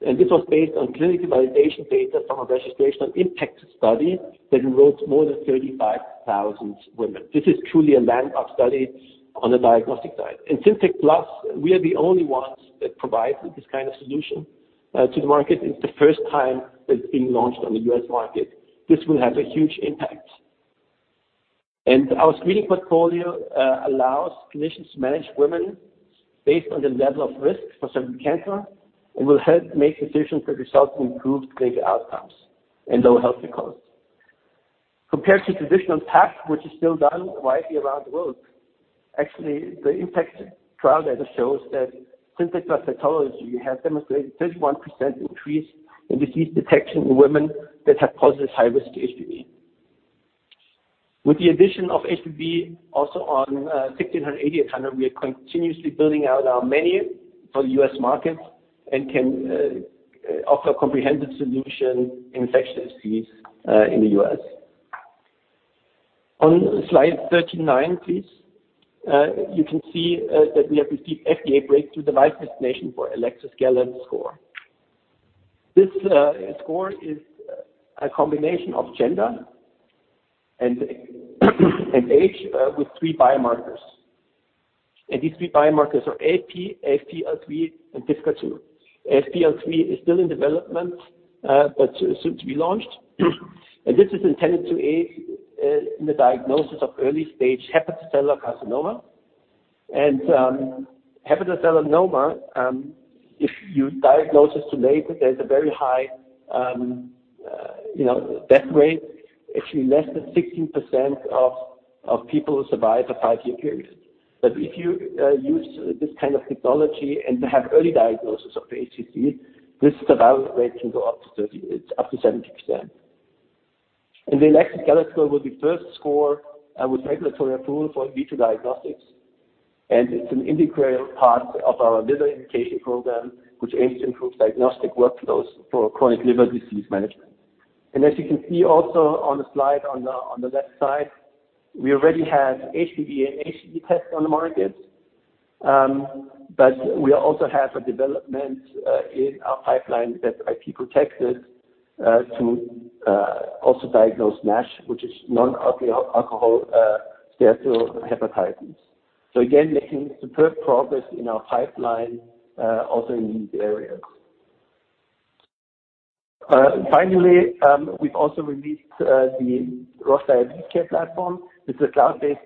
This was based on clinical validation data from a registration IMPACT study that enrolled more than 35,000 women. This is truly a landmark study on the diagnostic side. In CINtec PLUS, we are the only ones that provide this kind of solution to the market. It's the first time that it's being launched on the U.S. market. This will have a huge impact. Our screening portfolio allows clinicians to manage women based on the level of risk for certain cancer and will help make decisions that result in improved clinical outcomes and lower health costs. Compared to traditional path, which is still done widely around the world, actually, the IMPACT trial data shows that CINtec PLUS cytology has demonstrated 31% increase in disease detection in women that have positive high-risk HPV. With the addition of HPV also on cobas 6800/cobas 8800, we are continuously building out our menu for the U.S. market and can offer comprehensive solution infectious disease in the U.S. On slide 39, please. You can see that we have received FDA breakthrough device designation for Elecsys GALAD Score. This score is a combination of gender and age, with three biomarkers. These three biomarkers are AFP-L3, and DCP/PIVKA-II. AFP-L3 is still in development, but soon to be launched. This is intended to aid in the diagnosis of early-stage hepatocellular carcinoma. Hepatocellular carcinoma, if you diagnose it too late, there's a very high death rate. Actually, less than 16% of people survive a five-year period. If you use this kind of technology and have early diagnosis of HCC, the survival rate can go up to 70%. The Elecsys GALAD Score was the first score with regulatory approval for in vitro diagnostics, and it's an integral part of our liver indication program, which aims to improve diagnostic workflows for chronic liver disease management. As you can see also on the slide on the left side, we already have HPV and HCV test on the market, but we also have a development in our pipeline that IP protected, to also diagnose NASH, which is non-alcoholic steatohepatitis. Again, making superb progress in our pipeline, also in these areas. Finally, we've also released the Roche Diabetes Care platform. It's a cloud-based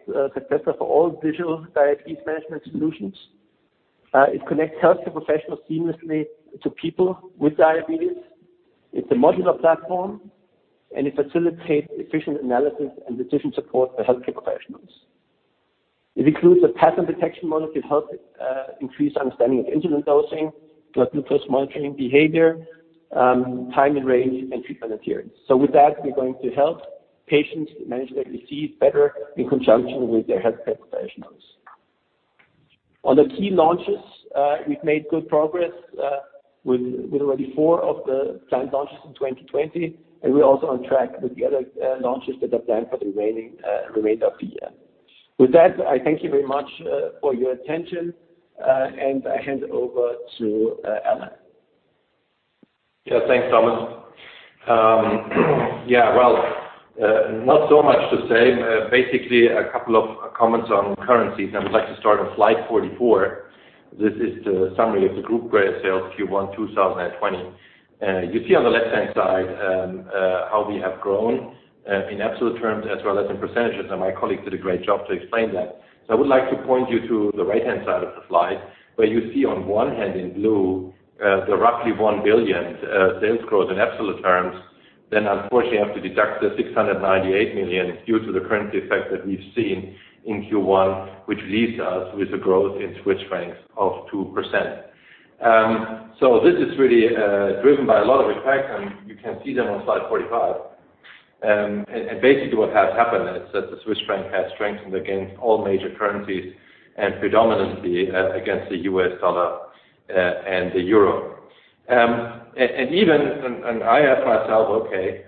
platform for all digital diabetes management solutions. It connects healthcare professionals seamlessly to people with diabetes. It's a modular platform, and it facilitates efficient analysis and decision support for healthcare professionals. It includes a pattern detection module to help increase understanding of insulin dosing, blood glucose monitoring behavior, time in range, and treatment adherence. With that, we're going to help patients manage their disease better in conjunction with their healthcare professionals. On the key launches, we've made good progress With already four of the planned launches in 2020, we're also on track with the other launches that are planned for the remainder of the year. With that, I thank you very much for your attention, I hand over to Alan. Thanks, Thomas. Well, not so much to say. Basically, a couple of comments on currencies. I would like to start on slide 44. This is the summary of the group gross sales Q1 2020. You see on the left-hand side how we have grown in absolute terms as well as in %. My colleagues did a great job to explain that. I would like to point you to the right-hand side of the slide, where you see on one hand, in blue, the roughly 1 billion sales growth in absolute terms. Unfortunately, you have to deduct the 698 million due to the currency effect that we've seen in Q1, which leaves us with a growth in CHF of 2%. This is really driven by a lot of effects. You can see them on slide 45. Basically, what has happened is that the Swiss franc has strengthened against all major currencies and predominantly against the U.S. dollar and the euro. I ask myself, okay,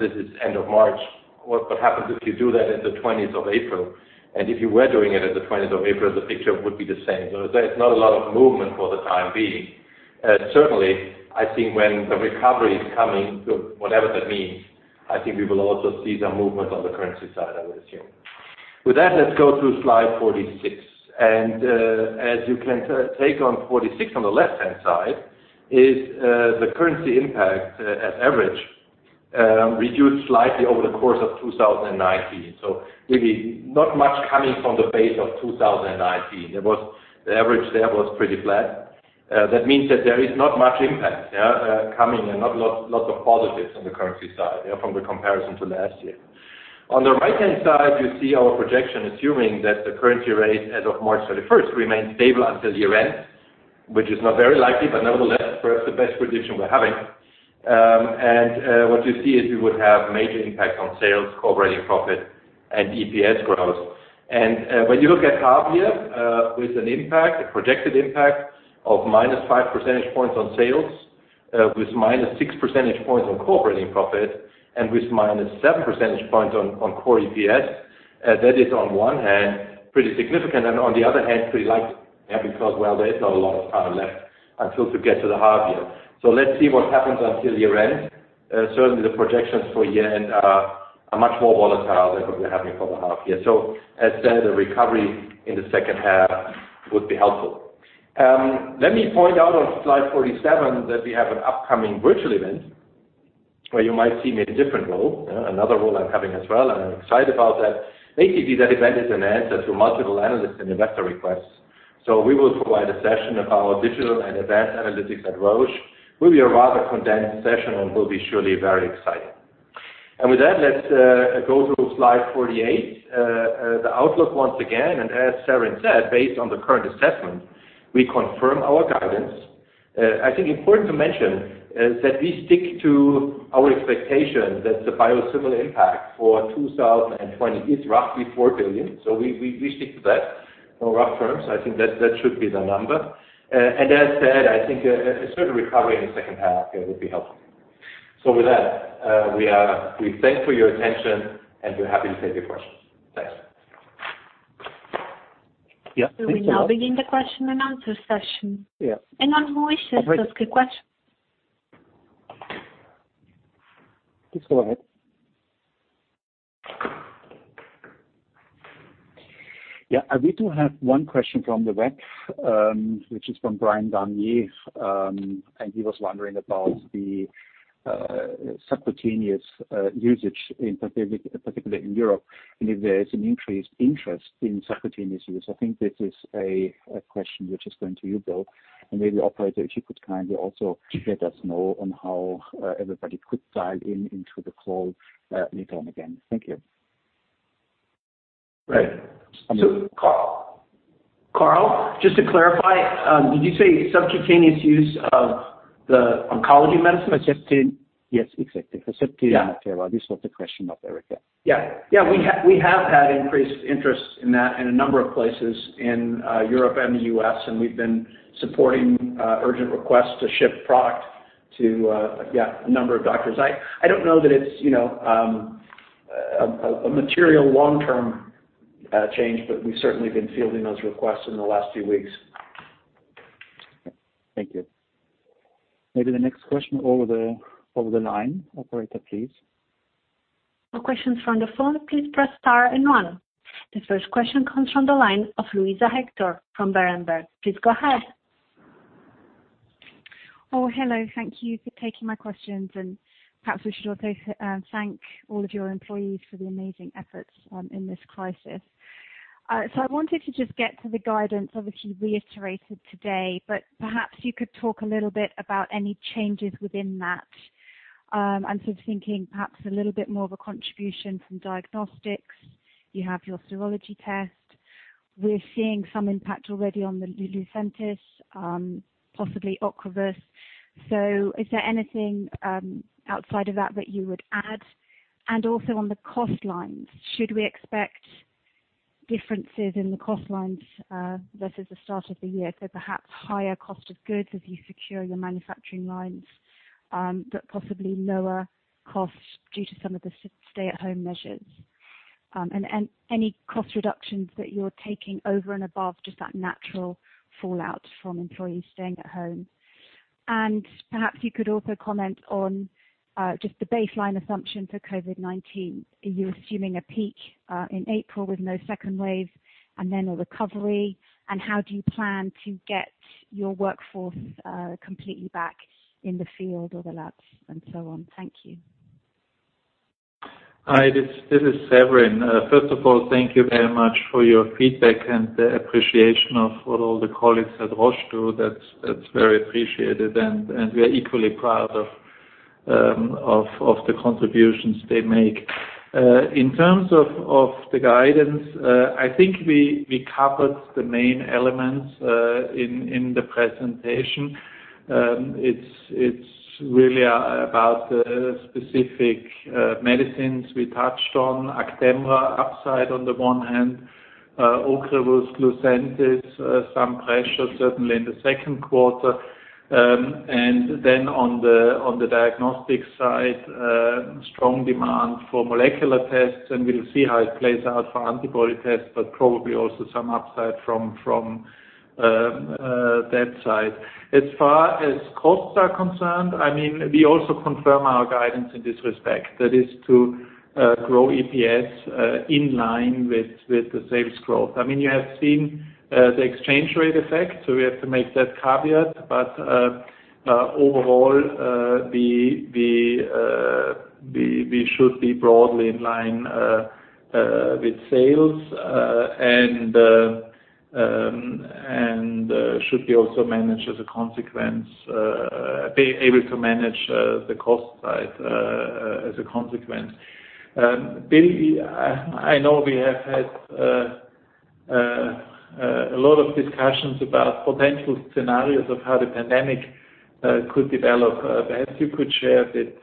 this is end of March. What happens if you do that at the 20th of April? If you were doing it at the 20th of April, the picture would be the same. There is not a lot of movement for the time being. Certainly, I think when the recovery is coming, whatever that means, I think we will also see some movement on the currency side, I would assume. With that, let's go to slide 46. As you can take on 46, on the left-hand side is the currency impact at average reduced slightly over the course of 2019. Really not much coming from the base of 2019. The average there was pretty flat. That means that there is not much impact coming and not lots of positives on the currency side from the comparison to last year. On the right-hand side, you see our projection, assuming that the currency rate as of March 31st remains stable until year-end, which is not very likely, but nevertheless, perhaps the best prediction we're having. What you see is we would have major impact on sales, operating profit, and EPS growth. When you look at half-year, with an impact, a projected impact of minus five percentage points on sales, with minus six percentage points on core profit, and with minus seven percentage points on core EPS. That is on one hand, pretty significant, and on the other hand, pretty light, because, well, there is not a lot of time left until to get to the half year. Let's see what happens until year-end. Certainly, the projections for JPY are much more volatile than what we're having for the half year. As said, a recovery in the second half would be helpful. Let me point out on slide 47 that we have an upcoming virtual event where you might see me in a different role, another role I'm having as well, and I'm excited about that. Basically, that event is an answer to multiple analysts and investor requests. We will provide a session of our digital and advanced analytics at Roche. Will be a rather condensed session and will be surely very exciting. With that, let's go to slide 48. The outlook once again, as Severin said, based on the current assessment, we confirm our guidance. I think important to mention is that we stick to our expectation that the biosimilar impact for 2020 is roughly 4 billion. We stick to that rough terms. I think that should be the number. As said, I think a certain recovery in the second half will be helpful. With that, we thank for your attention, and we're happy to take your questions. Thanks. Yeah. We now begin the question and answer session. Yeah. Anyone who wishes to ask a question. Please go ahead. Yeah. We do have one question from the back, which is from Brian Darnier. He was wondering about the subcutaneous usage, particularly in Europe, and if there is an increased interest in subcutaneous use. I think this is a question which is going to you, Bill, and maybe operator, if you could kindly also let us know on how everybody could dial in into the call later on again. Thank you. Right. Karl, just to clarify, did you say subcutaneous use of the oncology medicine? Yes, exactly. Herceptin. Yeah. This was the question of Erica. Yeah. We have had increased interest in that in a number of places in Europe and the U.S., and we've been supporting urgent requests to ship product to a number of doctors. I don't know that it's a material long-term change, but we've certainly been fielding those requests in the last few weeks. Thank you. Maybe the next question over the line, operator, please. For questions from the phone, please press star and one. The first question comes from the line of Luisa Hector from Berenberg. Please go ahead. Oh, hello. Thank you for taking my questions, and perhaps we should also thank all of your employees for the amazing efforts in this crisis. I wanted to just get to the guidance, obviously reiterated today, but perhaps you could talk a little bit about any changes within that. I'm sort of thinking perhaps a little bit more of a contribution from diagnostics. You have your serology test. We're seeing some impact already on the Lucentis, possibly OCREVUS. Is there anything outside of that that you would add? Also on the cost lines, should we expect differences in the cost lines versus the start of the year. Perhaps higher cost of goods as you secure your manufacturing lines, but possibly lower costs due to some of the stay-at-home measures. Any cost reductions that you're taking over and above just that natural fallout from employees staying at home. Perhaps you could also comment on just the baseline assumption for COVID-19. Are you assuming a peak in April with no second wave and then a recovery? How do you plan to get your workforce completely back in the field or the labs and so on? Thank you. Hi, this is Severin. First of all, thank you very much for your feedback and appreciation of what all the colleagues at Roche do. That's very appreciated. We are equally proud of the contributions they make. In terms of the guidance, I think we covered the main elements in the presentation. It's really about the specific medicines we touched on. Actemra upside on the one hand. OCREVUS, Lucentis, some pressure certainly in the second quarter. On the diagnostics side, strong demand for molecular tests, and we'll see how it plays out for antibody tests, but probably also some upside from that side. As far as costs are concerned, we also confirm our guidance in this respect. That is to grow EPS in line with the sales growth. You have seen the exchange rate effect, so we have to make that caveat. Overall, we should be broadly in line with sales and should be also able to manage the cost side as a consequence. Bill, I know we have had a lot of discussions about potential scenarios of how the pandemic could develop. Perhaps you could share a bit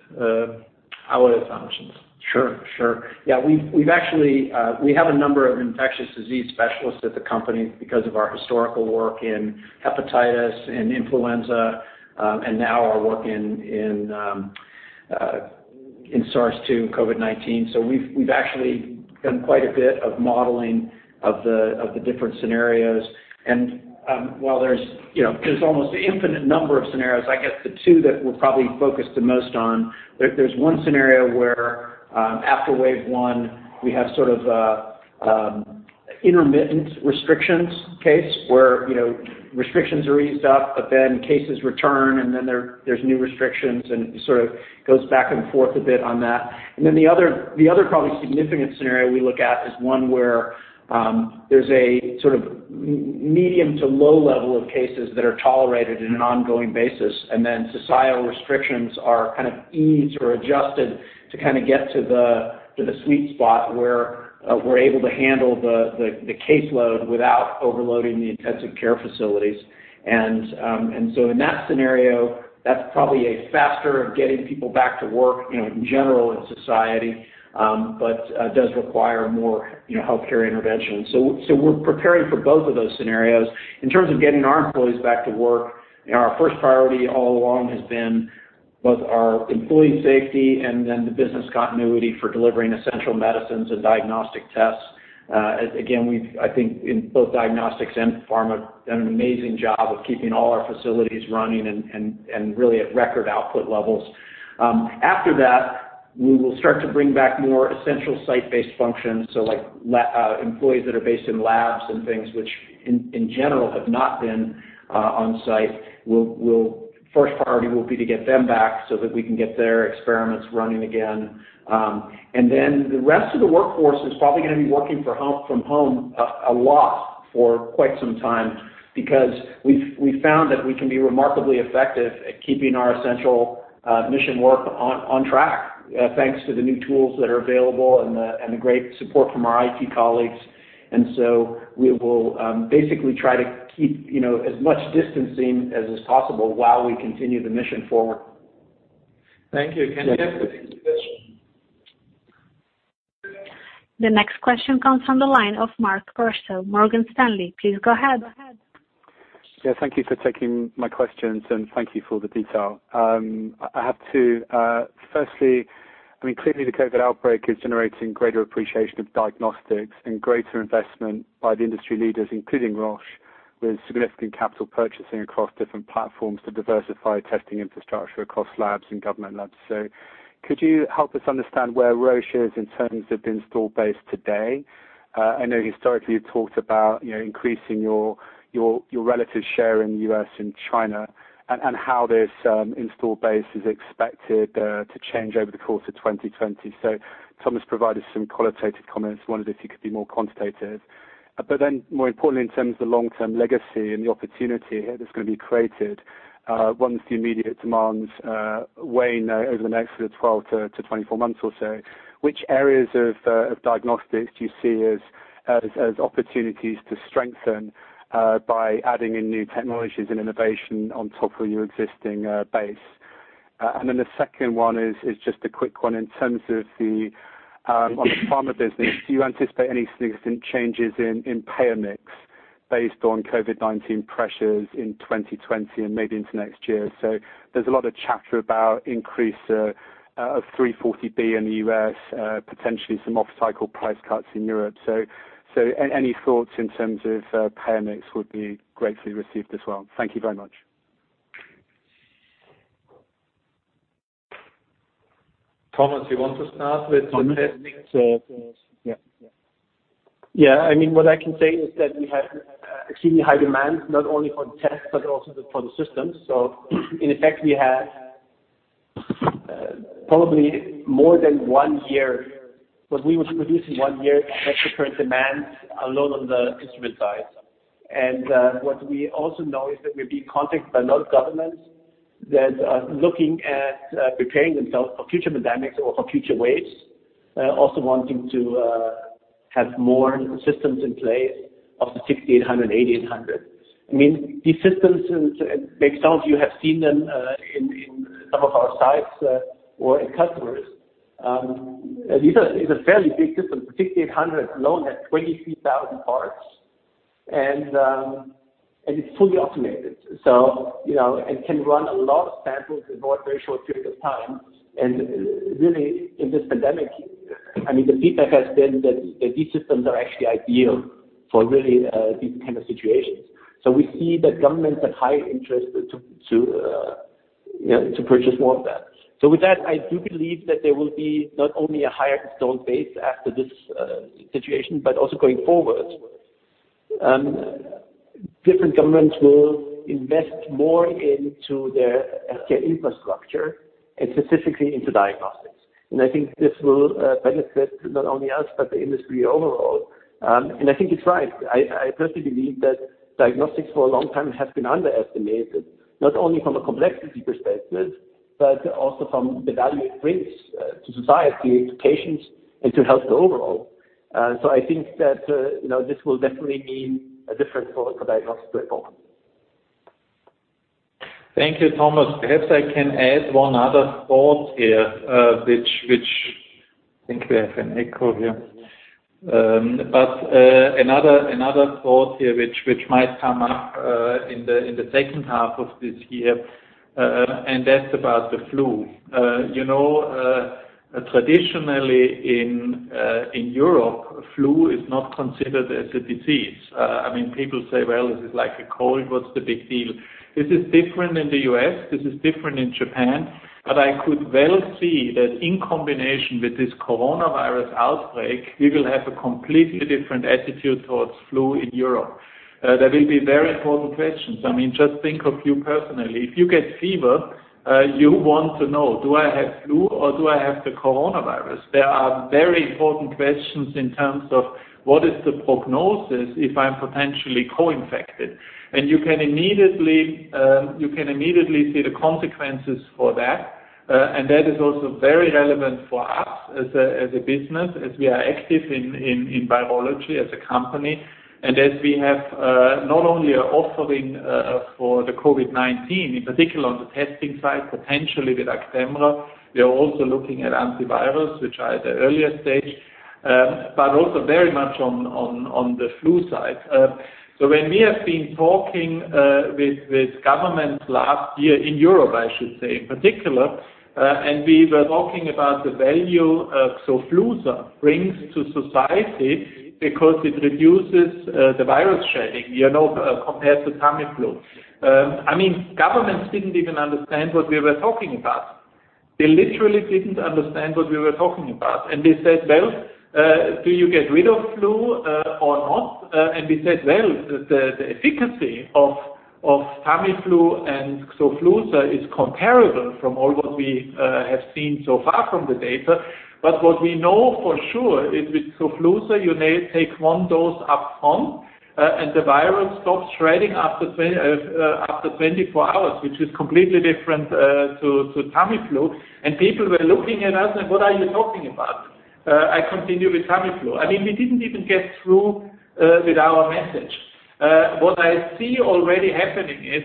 our assumptions. Sure. We have a number of infectious disease specialists at the company because of our historical work in hepatitis and influenza. Now our work in SARS-CoV-2, COVID-19. We've actually done quite a bit of modeling of the different scenarios. While there's almost an infinite number of scenarios, I guess the two that we're probably focused the most on, there's one scenario where after wave 1, we have sort of an intermittent restrictions case. Where restrictions are eased up, but then cases return, and then there's new restrictions, and it sort of goes back and forth a bit on that. The other probably significant scenario we look at is one where there's a sort of medium to low level of cases that are tolerated in an ongoing basis, societal restrictions are kind of eased or adjusted to kind of get to the sweet spot where we're able to handle the caseload without overloading the intensive care facilities. In that scenario, that's probably a faster of getting people back to work in general in society, but does require more healthcare intervention. We're preparing for both of those scenarios. In terms of getting our employees back to work, our first priority all along has been both our employee safety and then the business continuity for delivering essential medicines and diagnostic tests. Again, I think in both diagnostics and pharma, done an amazing job of keeping all our facilities running and really at record output levels. After that, we will start to bring back more essential site-based functions. Like employees that are based in labs and things which in general have not been on site, first priority will be to get them back so that we can get their experiments running again. The rest of the workforce is probably going to be working from home a lot for quite some time because we've found that we can be remarkably effective at keeping our essential mission work on track, thanks to the new tools that are available and the great support from our IT colleagues. We will basically try to keep as much distancing as is possible while we continue the mission forward. Thank you. Anything additional? The next question comes from the line of Mark Purcell, Morgan Stanley. Please go ahead. Yeah, thank you for taking my questions and thank you for the detail. Firstly, clearly the COVID outbreak is generating greater appreciation of diagnostics and greater investment by the industry leaders, including Roche, with significant capital purchasing across different platforms to diversify testing infrastructure across labs and government labs. Could you help us understand where Roche is in terms of the install base today? I know historically you've talked about increasing your relative share in the U.S. and China and how this install base is expected to change over the course of 2020. Thomas provided some qualitative comments. I wondered if you could be more quantitative. More importantly, in terms of the long-term legacy and the opportunity here that's going to be created once the immediate demands wane over the next sort of 12-24 months or so, which areas of diagnostics do you see as opportunities to strengthen by adding in new technologies and innovation on top of your existing base? The second one is just a quick one in terms of the Pharma business, do you anticipate any significant changes in payer mix based on COVID-19 pressures in 2020 and maybe into next year? There's a lot of chatter about increase of 340B in the U.S., potentially some off-cycle price cuts in Europe. Any thoughts in terms of payer mix would be gratefully received as well. Thank you very much. Thomas, you want to start with the payer mix? Thomas. Yeah. Yeah. What I can say is that we have extremely high demand, not only for the tests but also for the systems. In effect, we have probably more than one year. What we would produce in one year to match the current demand alone on the instrument side. What we also know is that we're being contacted by a lot of governments that are looking at preparing themselves for future pandemics or for future waves, also wanting to have more systems in place of the 6,800, 8,800. These systems, maybe some of you have seen them in some of our sites or in customers. These are fairly big systems. 6,800 alone has 23,000 parts, and it's fully automated. It can run a lot of samples in a very short period of time. Really, in this pandemic, the feedback has been that these systems are actually ideal for really these kind of situations. We see that governments have high interest to purchase more of that. With that, I do believe that there will be not only a higher installed base after this situation, but also going forward. Different governments will invest more into their healthcare infrastructure and specifically into diagnostics. I think this will benefit not only us, but the industry overall. I think it's right. I personally believe that diagnostics for a long time has been underestimated, not only from a complexity perspective, but also from the value it brings to society, to patients, and to health overall. I think that this will definitely mean a different role for diagnostics going forward. Thank you, Thomas. Perhaps I can add one other thought here. I think we have an echo here. Another thought here which might come up in the second half of this year, and that's about the flu. Traditionally in Europe, flu is not considered as a disease. People say, "Well, this is like a cold. What's the big deal?" This is different in the U.S., this is different in Japan. I could well see that in combination with this coronavirus outbreak, we will have a completely different attitude towards flu in Europe. There will be very important questions. Just think of you personally. If you get fever, you want to know, do I have flu or do I have the coronavirus? There are very important questions in terms of what is the prognosis if I'm potentially co-infected. You can immediately see the consequences for that. That is also very relevant for us as a business, as we are active in biology as a company. As we have not only are offering for the COVID-19, in particular on the testing side, potentially with Actemra, we are also looking at antivirals, which are at the earlier stage, but also very much on the flu side. When we have been talking with governments last year in Europe, I should say, in particular, and we were talking about the value Xofluza brings to society because it reduces the virus shedding, compared to Tamiflu. Governments didn't even understand what we were talking about. They literally didn't understand what we were talking about, and they said, "Well, do you get rid of flu or not?" We said, "Well, the efficacy of Tamiflu and Xofluza is comparable from all what we have seen so far from the data. What we know for sure is with Xofluza, you may take one dose up front, and the virus stops spreading after 24 hours, which is completely different to Tamiflu." People were looking at us like, "What are you talking about? I continue with Tamiflu." We didn't even get through with our message. What I see already happening is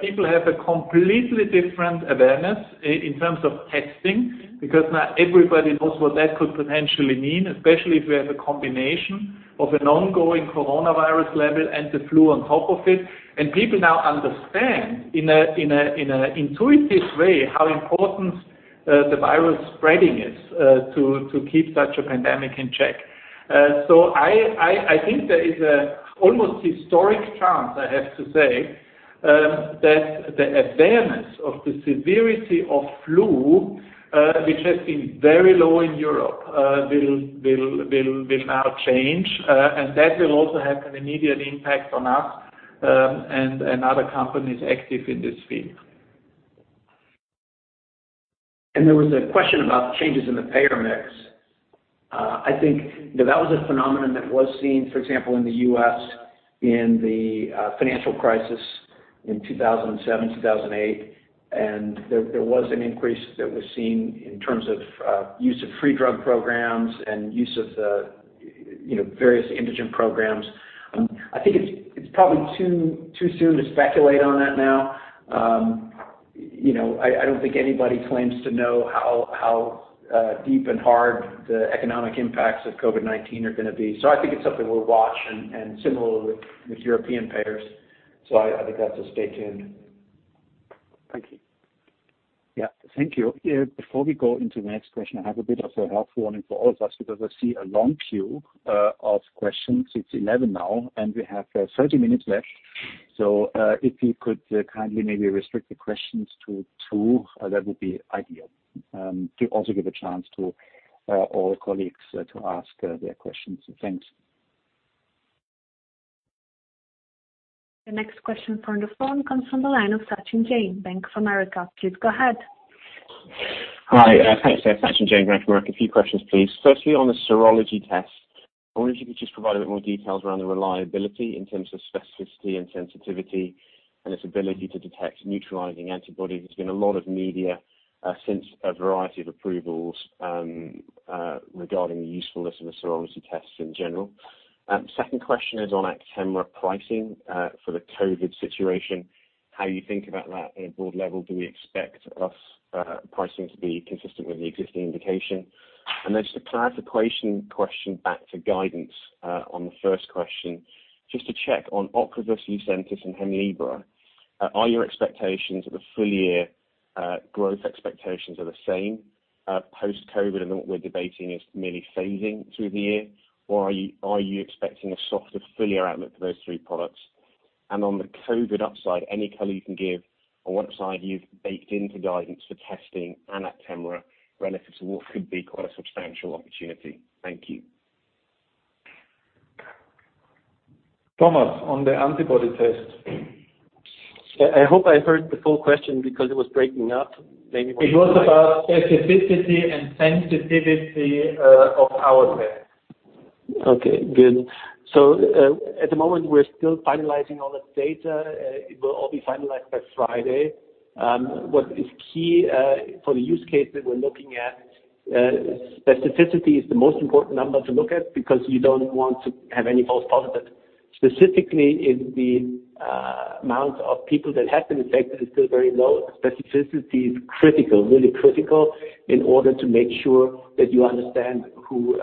people have a completely different awareness in terms of testing, because now everybody knows what that could potentially mean, especially if we have a combination of an ongoing coronavirus level and the flu on top of it. People now understand in an intuitive way how important the virus spreading is to keep such a pandemic in check. I think there is an almost historic chance, I have to say, that the awareness of the severity of flu, which has been very low in Europe will now change. That will also have an immediate impact on us, and other companies active in this field. There was a question about changes in the payer mix. I think that was a phenomenon that was seen, for example, in the U.S. in the financial crisis in 2007, 2008. There was an increase that was seen in terms of use of free drug programs. Various indigent programs. I think it's probably too soon to speculate on that now. I don't think anybody claims to know how deep and hard the economic impacts of COVID-19 are going to be. I think it's something we'll watch, and similar with European payers. I think that's a stay tuned. Thank you. Yeah, thank you. Before we go into the next question, I have a bit of a health warning for all of us because I see a long queue of questions. It's 11 now, and we have 30 minutes left. If you could kindly maybe restrict the questions to two, that would be ideal. To also give a chance to all colleagues to ask their questions. Thanks. The next question from the phone comes from the line of Sachin Jain, Bank of America. Please go ahead. Hi. Thanks. Sachin Jain, Bank of America. A few questions, please. Firstly, on the serology test, I wonder if you could just provide a bit more details around the reliability in terms of specificity and sensitivity and its ability to detect neutralizing antibodies. There's been a lot of media since a variety of approvals regarding the usefulness of the serology tests in general. Second question is on Actemra pricing for the COVID situation, how you think about that at a broad level. Do we expect plus pricing to be consistent with the existing indication? Just a clarification question back to guidance on the first question. Just to check on OCREVUS, Lucentis and Hemlibra. Are your expectations of the full year growth expectations are the same post-COVID, and what we're debating is merely phasing through the year? Are you expecting a softer full year outlook for those three products? On the COVID upside, any color you can give on what upside you've baked into guidance for testing and Actemra relative to what could be quite a substantial opportunity. Thank you. Thomas, on the antibody test. I hope I heard the full question because it was breaking up. It was about specificity and sensitivity of our test. Okay, good. At the moment, we're still finalizing all the data. It will all be finalized by Friday. What is key for the use cases we're looking at, specificity is the most important number to look at because you don't want to have any false positives. Specifically in the amount of people that have been affected is still very low. Specificity is critical, really critical in order to make sure that you understand who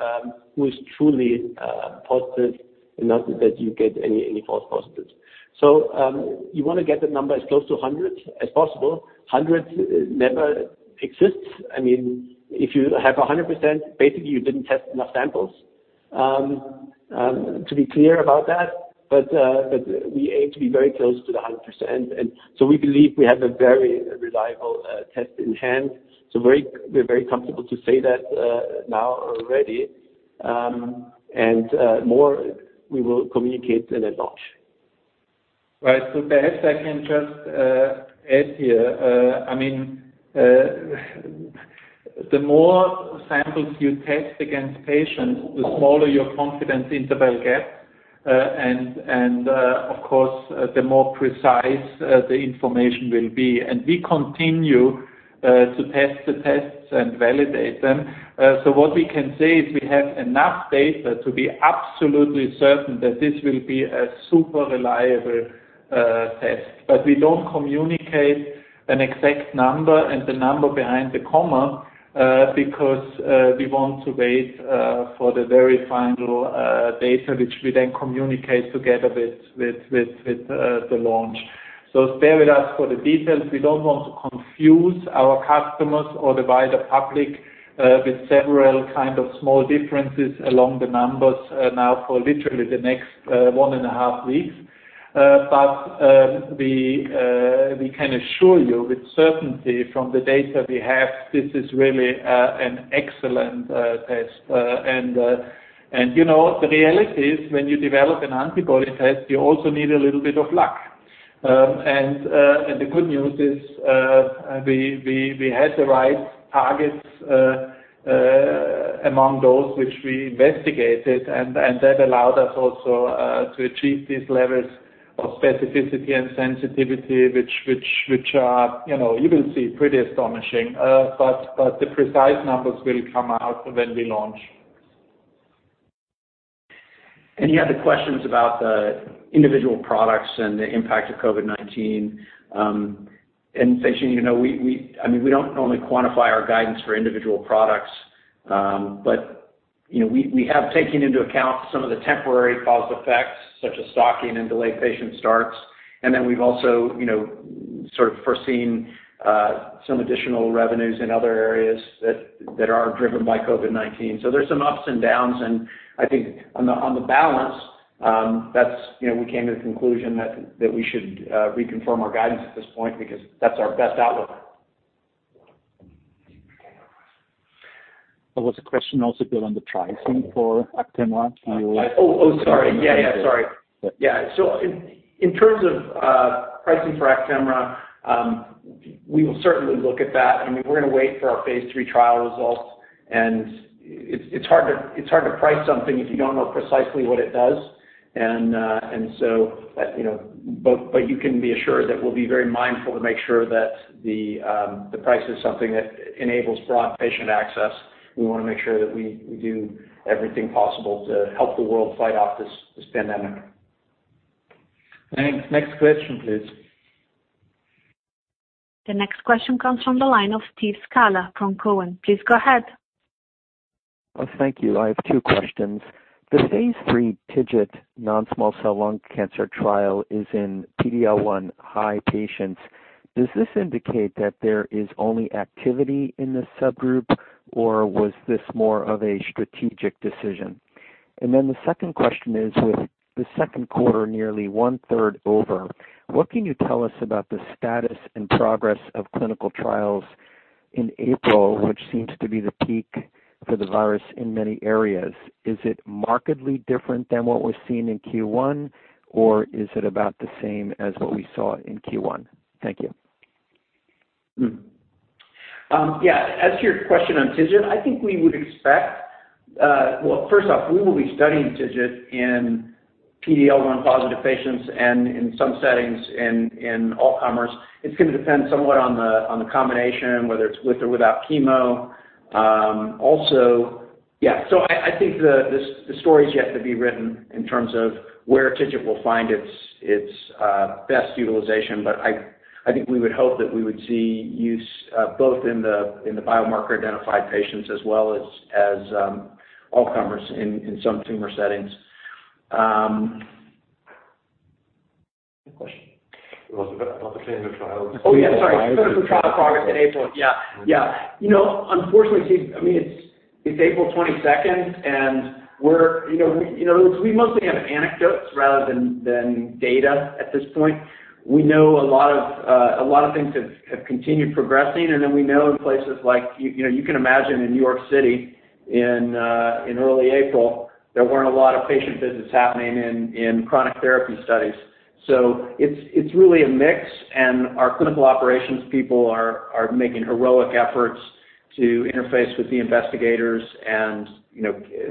is truly positive and not that you get any false positives. You want to get the number as close to 100 as possible. 100 never exists. If you have 100%, basically you didn't test enough samples, to be clear about that. We aim to be very close to the 100%. We believe we have a very reliable test in hand. We're very comfortable to say that now already. More we will communicate at launch. Right. Perhaps I can just add here. The more samples you test against patients, the smaller your confidence interval gets, and of course, the more precise the information will be. We continue to test the tests and validate them. What we can say is we have enough data to be absolutely certain that this will be a super reliable test. We don't communicate an exact number and the number behind the comma because we want to wait for the very final data, which we then communicate together with the launch. Bear with us for the details. We don't want to confuse our customers or the wider public with several kind of small differences along the numbers now for literally the next one and a half weeks. We can assure you with certainty from the data we have, this is really an excellent test. The reality is when you develop an antibody test, you also need a little bit of luck. The good news is we had the right targets among those which we investigated, and that allowed us also to achieve these levels of specificity and sensitivity, which are, you will see, pretty astonishing. The precise numbers will come out when we launch. You had the questions about the individual products and the impact of COVID-19. Sachin, we don't normally quantify our guidance for individual products. We have taken into account some of the temporary cause effects such as stocking and delayed patient starts. Then we've also sort of foreseen some additional revenues in other areas that are driven by COVID-19. There's some ups and downs, and I think on the balance, we came to the conclusion that we should reconfirm our guidance at this point because that's our best outlook. There was a question also, Bill, on the pricing for Actemra. Can you? Oh, sorry. Yeah. In terms of pricing for Actemra, we will certainly look at that. We're going to wait for our phase III trial results. It's hard to price something if you don't know precisely what it does. You can be assured that we'll be very mindful to make sure that the price is something that enables broad patient access. We want to make sure that we do everything possible to help the world fight off this pandemic. Thanks. Next question, please. The next question comes from the line of Steve Scala from Cowen. Please go ahead. Thank you. I have two questions. The phase III TIGIT non-small cell lung cancer trial is in PD-L1 high patients. Does this indicate that there is only activity in this subgroup, or was this more of a strategic decision? The second question is, with the second quarter nearly one-third over, what can you tell us about the status and progress of clinical trials in April, which seems to be the peak for the virus in many areas? Is it markedly different than what was seen in Q1, or is it about the same as what we saw in Q1? Thank you. Yes. As to your question on TIGIT, I think we would expect-- Well, first off, we will be studying TIGIT in PD-L1 positive patients and in some settings in all comers. It's going to depend somewhat on the combination, whether it's with or without chemo. I think the story is yet to be written in terms of where TIGIT will find its best utilization. I think we would hope that we would see use both in the biomarker-identified patients as well as all comers in some tumor settings. Second question. About the clinical trials. Sorry. Clinical trial progress in April. Unfortunately, Steve, it's April 22nd, we mostly have anecdotes rather than data at this point. We know a lot of things have continued progressing, we know in places like, you can imagine in New York City in early April, there weren't a lot of patient visits happening in chronic therapy studies. It's really a mix, our clinical operations people are making heroic efforts to interface with the investigators and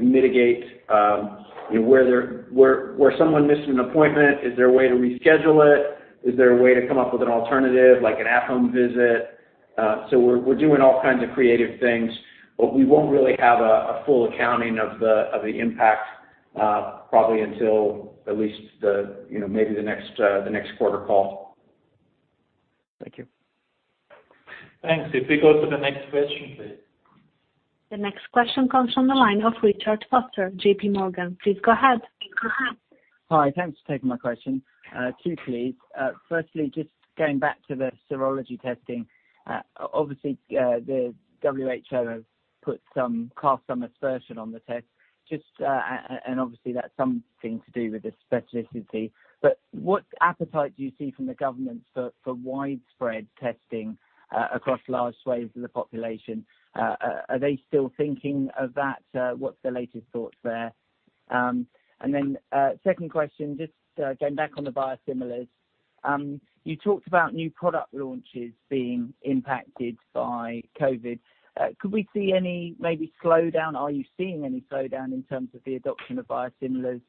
mitigate where someone missed an appointment, is there a way to reschedule it? Is there a way to come up with an alternative, like an at-home visit? We're doing all kinds of creative things, we won't really have a full accounting of the impact probably until at least maybe the next quarter call. Thank you. Thanks. If we go to the next question, please. The next question comes from the line of Richard Vosser, J.P. Morgan. Please go ahead. Hi, thanks for taking my question. Two, please. Firstly, just going back to the serology testing. Obviously, the WHO have cast some aspersion on the test. Obviously, that's something to do with the specificity. What appetite do you see from the governments for widespread testing across large swathes of the population? Are they still thinking of that? What's the latest thoughts there? Second question, just going back on the biosimilars. You talked about new product launches being impacted by COVID. Could we see any maybe slowdown? Are you seeing any slowdown in terms of the adoption of biosimilars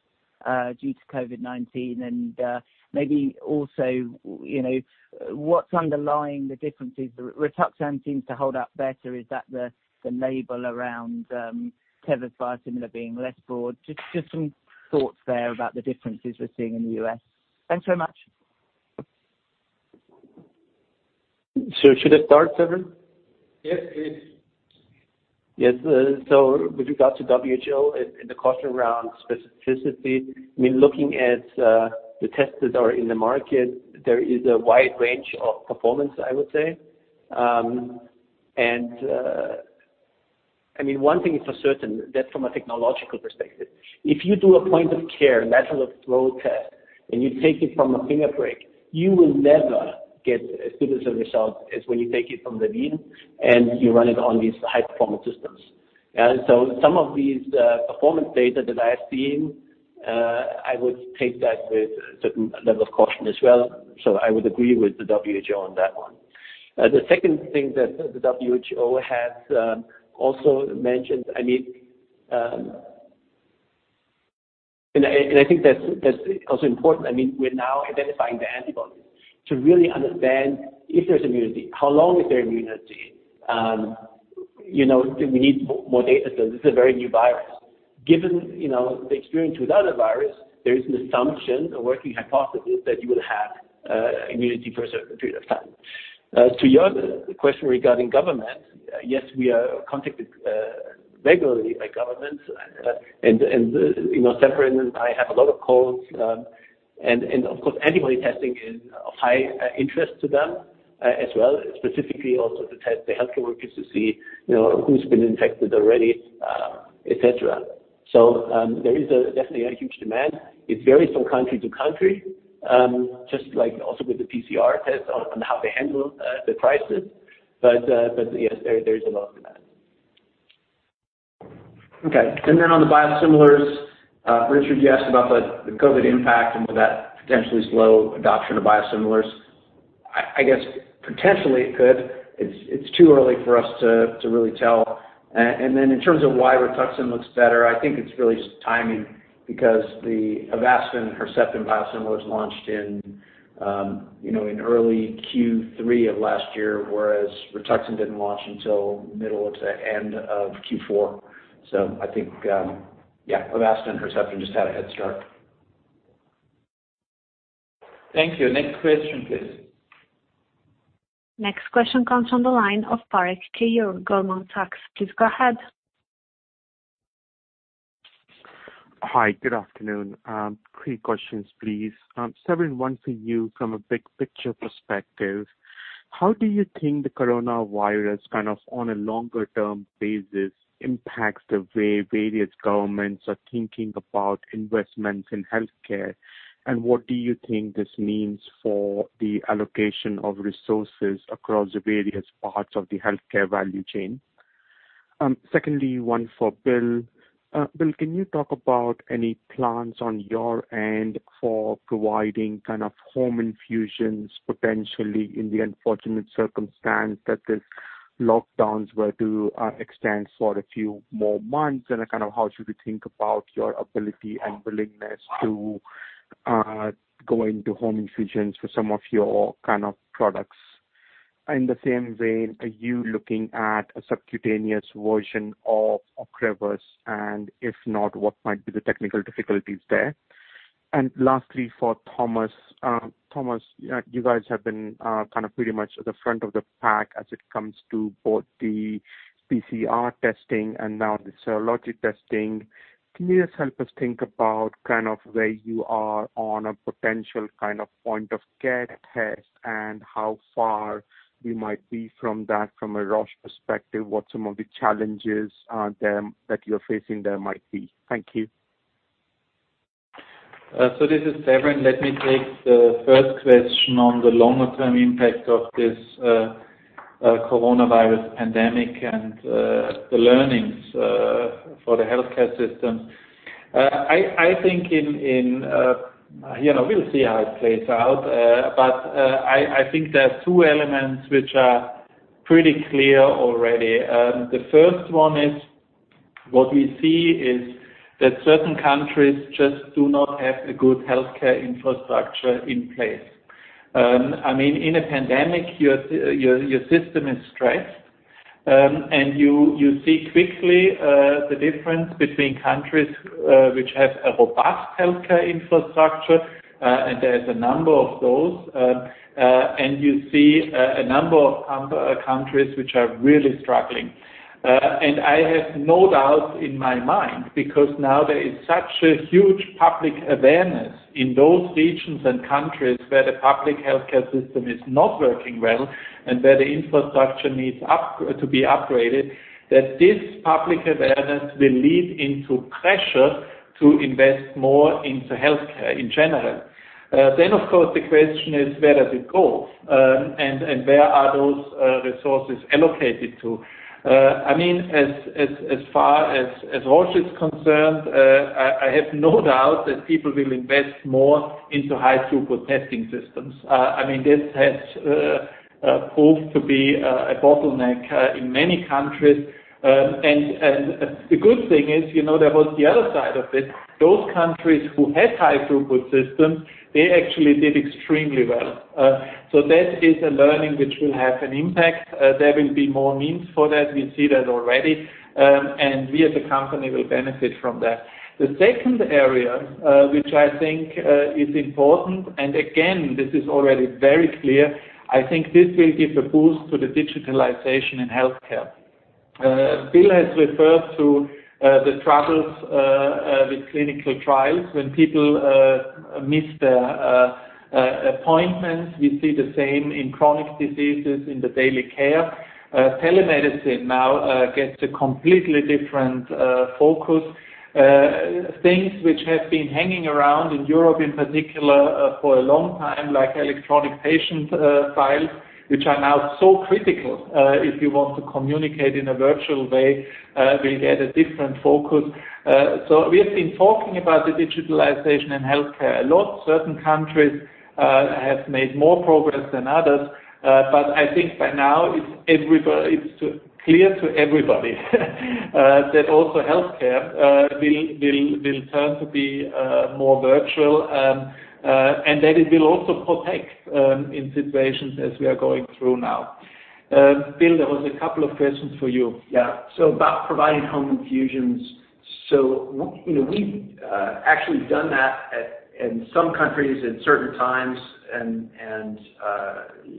due to COVID-19? Maybe also, what's underlying the differences? rituximab seems to hold up better. Is that the label around Teva's biosimilar being less broad? Just some thoughts there about the differences we're seeing in the U.S. Thanks so much. Should I start, Severin? Yes, please. Yes. With regard to WHO and the question around specificity, looking at the tests that are in the market, there is a wide range of performance, I would say. One thing is for certain, that from a technological perspective. If you do a point-of-care lateral flow test and you take it from a finger prick, you will never get as good as a result as when you take it from the vein and you run it on these high-performance systems. Some of these performance data that I have seen, I would take that with a certain level of caution as well. I would agree with the WHO on that one. The second thing that the WHO has also mentioned, I think that's also important, we're now identifying the antibodies to really understand if there's immunity, how long is there immunity? We need more data still. This is a very new virus. Given the experience with other virus, there is an assumption, a working hypothesis, that you will have immunity for a certain period of time. As to your question regarding government, yes, we are contacted regularly by governments. Severin and I have a lot of calls. Of course, antibody testing is of high interest to them as well, specifically also to test the healthcare workers to see who's been infected already, et cetera. There is definitely a huge demand. It varies from country to country, just like also with the PCR test on how they handle the prices. Yes, there is a lot of demand. Okay. On the biosimilars, Richard, you asked about the COVID impact and will that potentially slow adoption of biosimilars. I guess potentially it could. It's too early for us to really tell. In terms of why Rituxan looks better, I think it's really timing because the Avastin Herceptin biosimilar was launched in early Q3 of last year, whereas Rituxan didn't launch until middle to end of Q4. I think, yeah, Avastin Herceptin just had a head start. Thank you. Next question, please. Next question comes from the line of Keyur Parekh, Goldman Sachs. Please go ahead. Hi, good afternoon. Three questions, please. Severin, one for you from a big-picture perspective. How do you think the coronavirus on a longer-term basis impacts the way various governments are thinking about investments in healthcare? What do you think this means for the allocation of resources across the various parts of the healthcare value chain? Secondly, one for Bill. Bill, can you talk about any plans on your end for providing home infusions, potentially in the unfortunate circumstance that these lockdowns were to extend for a few more months? How should we think about your ability and willingness to go into home infusions for some of your kind of products? In the same vein, are you looking at a subcutaneous version of OCREVUS? If not, what might be the technical difficulties there? Lastly, for Thomas. Thomas, you guys have been pretty much at the front of the pack as it comes to both the PCR testing and now the serologic testing. Can you just help us think about where you are on a potential point of care test and how far we might be from that from a Roche perspective? What some of the challenges that you're facing there might be? Thank you. This is Severin. Let me take the first question on the longer-term impact of this coronavirus pandemic and the learnings for the healthcare system. We'll see how it plays out. I think there are two elements which are pretty clear already. The first one is what we see is that certain countries just do not have a good healthcare infrastructure in place. In a pandemic, your system is stressed. You see quickly the difference between countries which have a robust healthcare infrastructure, and there's a number of those. You see a number of countries which are really struggling. I have no doubt in my mind because now there is such a huge public awareness in those regions and countries where the public healthcare system is not working well and where the infrastructure needs to be upgraded, that this public awareness will lead into pressure to invest more into healthcare in general. Of course, the question is, where does it go? Where are those resources allocated to? As far as Roche is concerned, I have no doubt that people will invest more into high-throughput testing systems. This has proved to be a bottleneck in many countries. The good thing is, there was the other side of this. Those countries who had high-throughput systems actually did extremely well. That is a learning which will have an impact. There will be more means for that. We see that already. We as a company will benefit from that. The second area, which I think is important, and again, this is already very clear. I think this will give a boost to the digitalization in healthcare. Bill has referred to the troubles with clinical trials when people miss their appointments. We see the same in chronic diseases in daily care. Telemedicine now gets a completely different focus. Things which have been hanging around in Europe in particular for a long time, like electronic patient files, which are now so critical if you want to communicate in a virtual way, will get a different focus. We have been talking about the digitalization in healthcare a lot. Certain countries have made more progress than others. I think by now it's clear to everybody that also healthcare will tend to be more virtual, and that it will also protect in situations as we are going through now. Bill, there was a couple of questions for you. About providing home infusions. We've actually done that in some countries at certain times and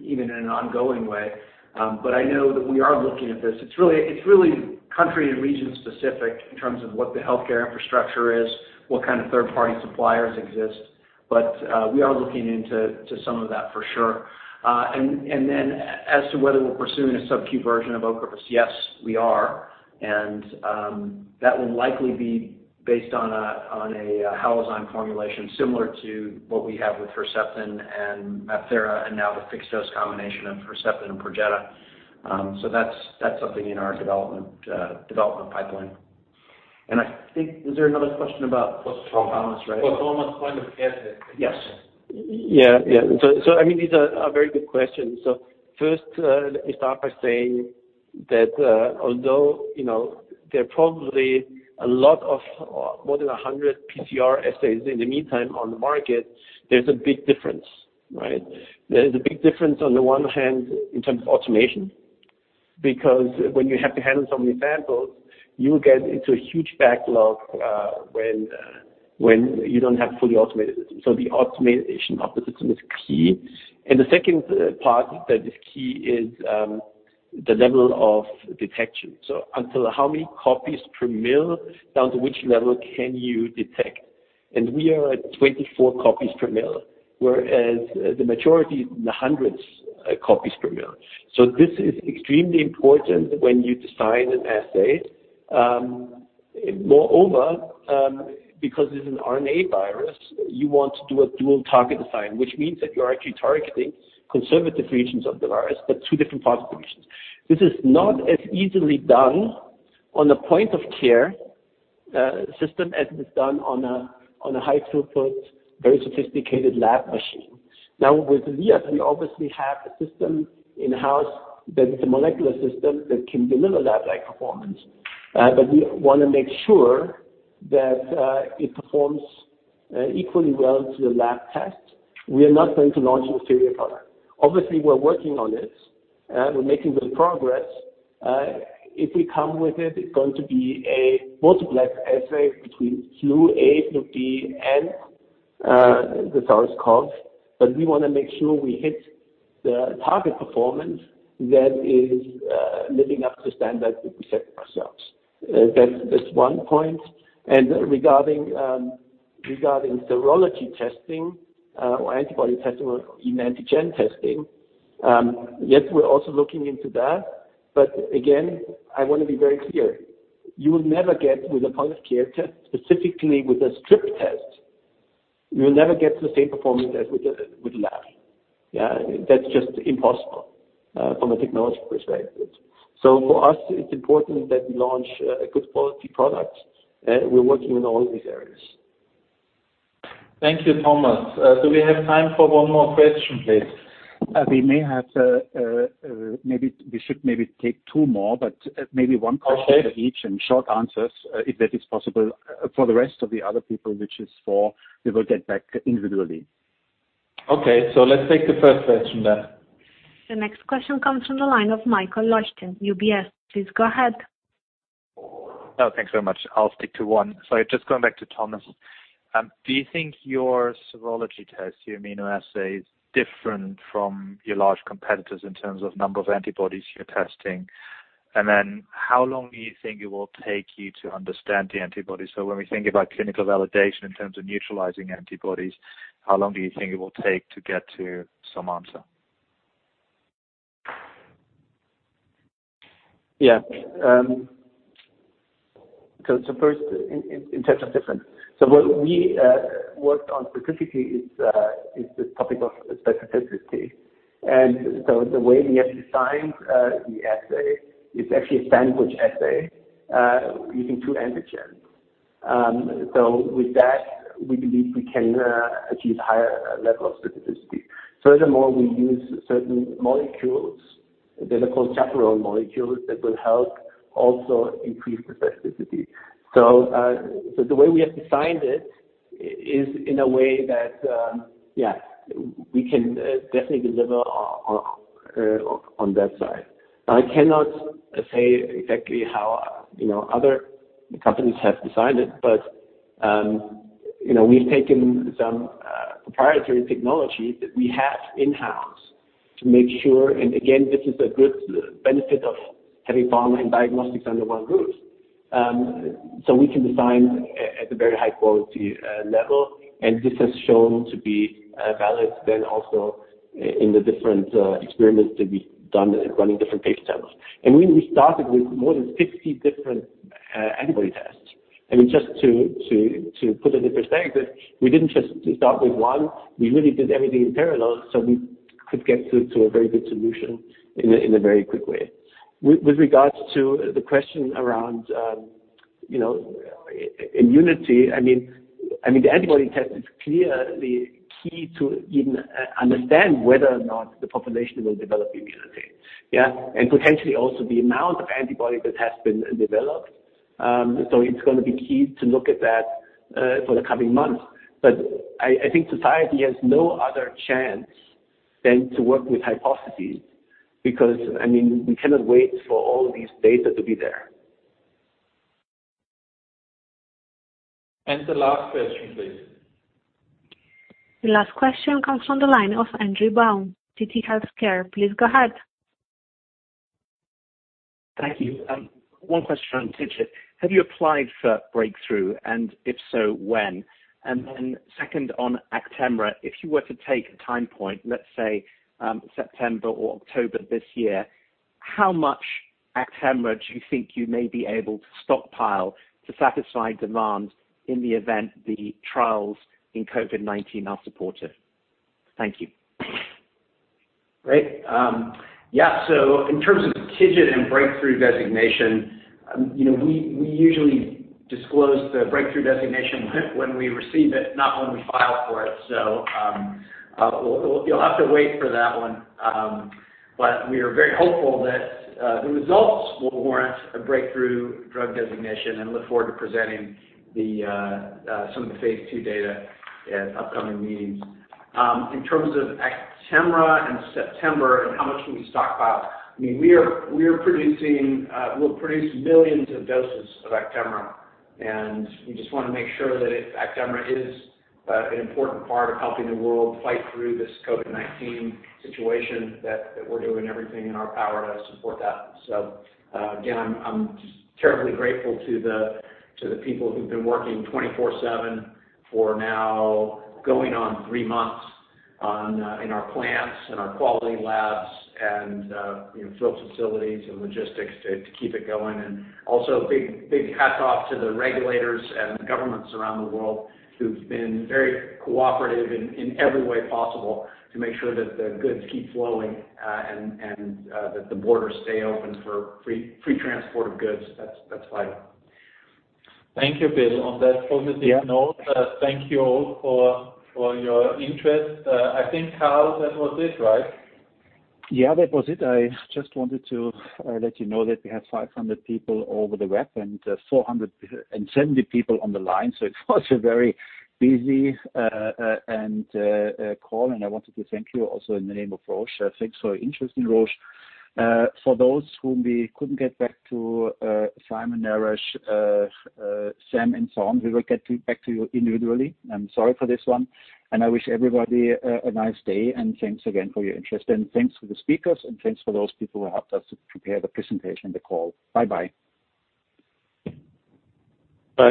even in an ongoing way. I know that we are looking at this. It's really country and region specific in terms of what the healthcare infrastructure is, what kind of third-party suppliers exist. We are looking into some of that for sure. As to whether we're pursuing a sub-Q version of OCREVUS, yes, we are. That will likely be based on a Halozyme formulation similar to what we have with Herceptin and MabThera and now the fixed-dose combination of Herceptin and Perjeta. That's something in our development pipeline. I think, is there another question? Thomas Thomas, right? Thomas. Why don't you answer the question? Yes. Yeah. These are very good questions. First, let me start by saying that although there are probably a lot of, more than 100 PCR assays in the meantime on the market, there's a big difference, right? There is a big difference on the one hand in terms of automation, because when you have to handle so many samples, you get into a huge backlog when you don't have a fully automated system. The automation of the system is key. The second part that is key is the level of detection. Until how many copies per mil, down to which level can you detect? We are at 24 copies per mil, whereas the majority is in the hundreds of copies per mil. This is extremely important when you design an assay. Moreover, because it's an RNA virus, you want to do a dual target design, which means that you're actually targeting conservative regions of the virus, but two different parts of the regions. This is not as easily done on the point of care system as it is done on a high throughput, very sophisticated lab machine. Now, with Liat, we obviously have a system in-house that is a molecular system that can deliver lab-like performance, but we want to make sure that it performs equally well to the lab test. We are not going to launch an inferior product. Obviously, we're working on this, and we're making good progress. If we come with it's going to be a multiplex assay between flu A, flu B, and the SARS-CoV-2, but we want to make sure we hit the target performance that is living up to the standard that we set for ourselves. That's one point. Regarding serology testing or antibody testing or even antigen testing, yes, we're also looking into that. Again, I want to be very clear, you will never get with a point-of-care test, specifically with a strip test, you'll never get the same performance as with a lab. Yeah, that's just impossible from a technology perspective. For us, it's important that we launch a good quality product, and we're working in all these areas. Thank you, Thomas. Do we have time for one more question, please? We may have. We should maybe take two more, but maybe one question for each and short answers, if that is possible. For the rest of the other people, which is four, we will get back individually. Okay. let's take the first question then. The next question comes from the line of Michael Leuchten, UBS. Please go ahead. Oh, thanks very much. I'll stick to one. Just going back to Thomas, do you think your serology test, your immunoassay is different from your large competitors in terms of number of antibodies you're testing? How long do you think it will take you to understand the antibodies? When we think about clinical validation in terms of neutralizing antibodies, how long do you think it will take to get to some answer? Yeah. First, in terms of difference. What we worked on specifically is this topic of specificity. The way we have designed the assay, it's actually a sandwich assay using two antigens. With that, we believe we can achieve higher level of specificity. Furthermore, we use certain molecules. They are called chaperone molecules that will help also increase the specificity. The way we have designed it is in a way that, yeah, we can definitely deliver on that side. I cannot say exactly how other companies have designed it, but we've taken some proprietary technology that we have in-house to make sure, and again, this is a good benefit of having pharma and diagnostics under one roof. We can design at the very high quality level, this has shown to be valid also in the different experiments that we've done running different patient samples. We started with more than 60 different antibody tests. Just to put it into perspective, we didn't just start with one. We really did everything in parallel so we could get to a very good solution in a very quick way. With regards to the question around immunity, the antibody test is clearly key to even understand whether or not the population will develop immunity. Yeah. Potentially also the amount of antibody that has been developed. It's going to be key to look at that for the coming months. I think society has no other chance than to work with hypotheses because we cannot wait for all these data to be there. The last question, please. The last question comes from the line of Andrew Baum, Citi. Please go ahead. Thank you. One question on TIGIT. Have you applied for breakthrough, if so, when? Second on Actemra, if you were to take a time point, let's say September or October this year, how much Actemra do you think you may be able to stockpile to satisfy demand in the event the trials in COVID-19 are supportive? Thank you. Great. Yeah. In terms of TIGIT and breakthrough designation, we usually disclose the breakthrough designation when we receive it, not when we file for it. You'll have to wait for that one. We are very hopeful that the results will warrant a breakthrough drug designation and look forward to presenting some of the phase II data at upcoming meetings. In terms of Actemra in September and how much can we stockpile, we'll produce millions of doses of Actemra, and we just want to make sure that if Actemra is an important part of helping the world fight through this COVID-19 situation, that we're doing everything in our power to support that. Again, I'm just terribly grateful to the people who've been working 24/7 for now going on 3 months in our plants and our quality labs and fill facilities and logistics to keep it going. Also big hats off to the regulators and the governments around the world who've been very cooperative in every way possible to make sure that the goods keep flowing and that the borders stay open for free transport of goods. That's vital. Thank you, Bill, on that positive note. Thank you all for your interest. I think, Karl, that was it, right? Yeah, that was it. I just wanted to let you know that we have 500 people over the web and 470 people on the line, so it was a very busy call and I wanted to thank you also in the name of Roche. Thanks for your interest in Roche. For those whom we couldn't get back to, Simon, Naresh, Sam, and so on, we will get back to you individually. I'm sorry for this one, and I wish everybody a nice day, and thanks again for your interest. Thanks to the speakers and thanks for those people who helped us to prepare the presentation, the call. Bye-bye. Bye.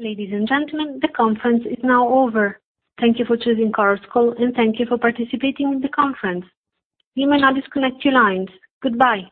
Ladies and gentlemen, the conference is now over. Thank you for choosing Chorus Call, and thank you for participating in the conference. You may now disconnect your lines. Goodbye.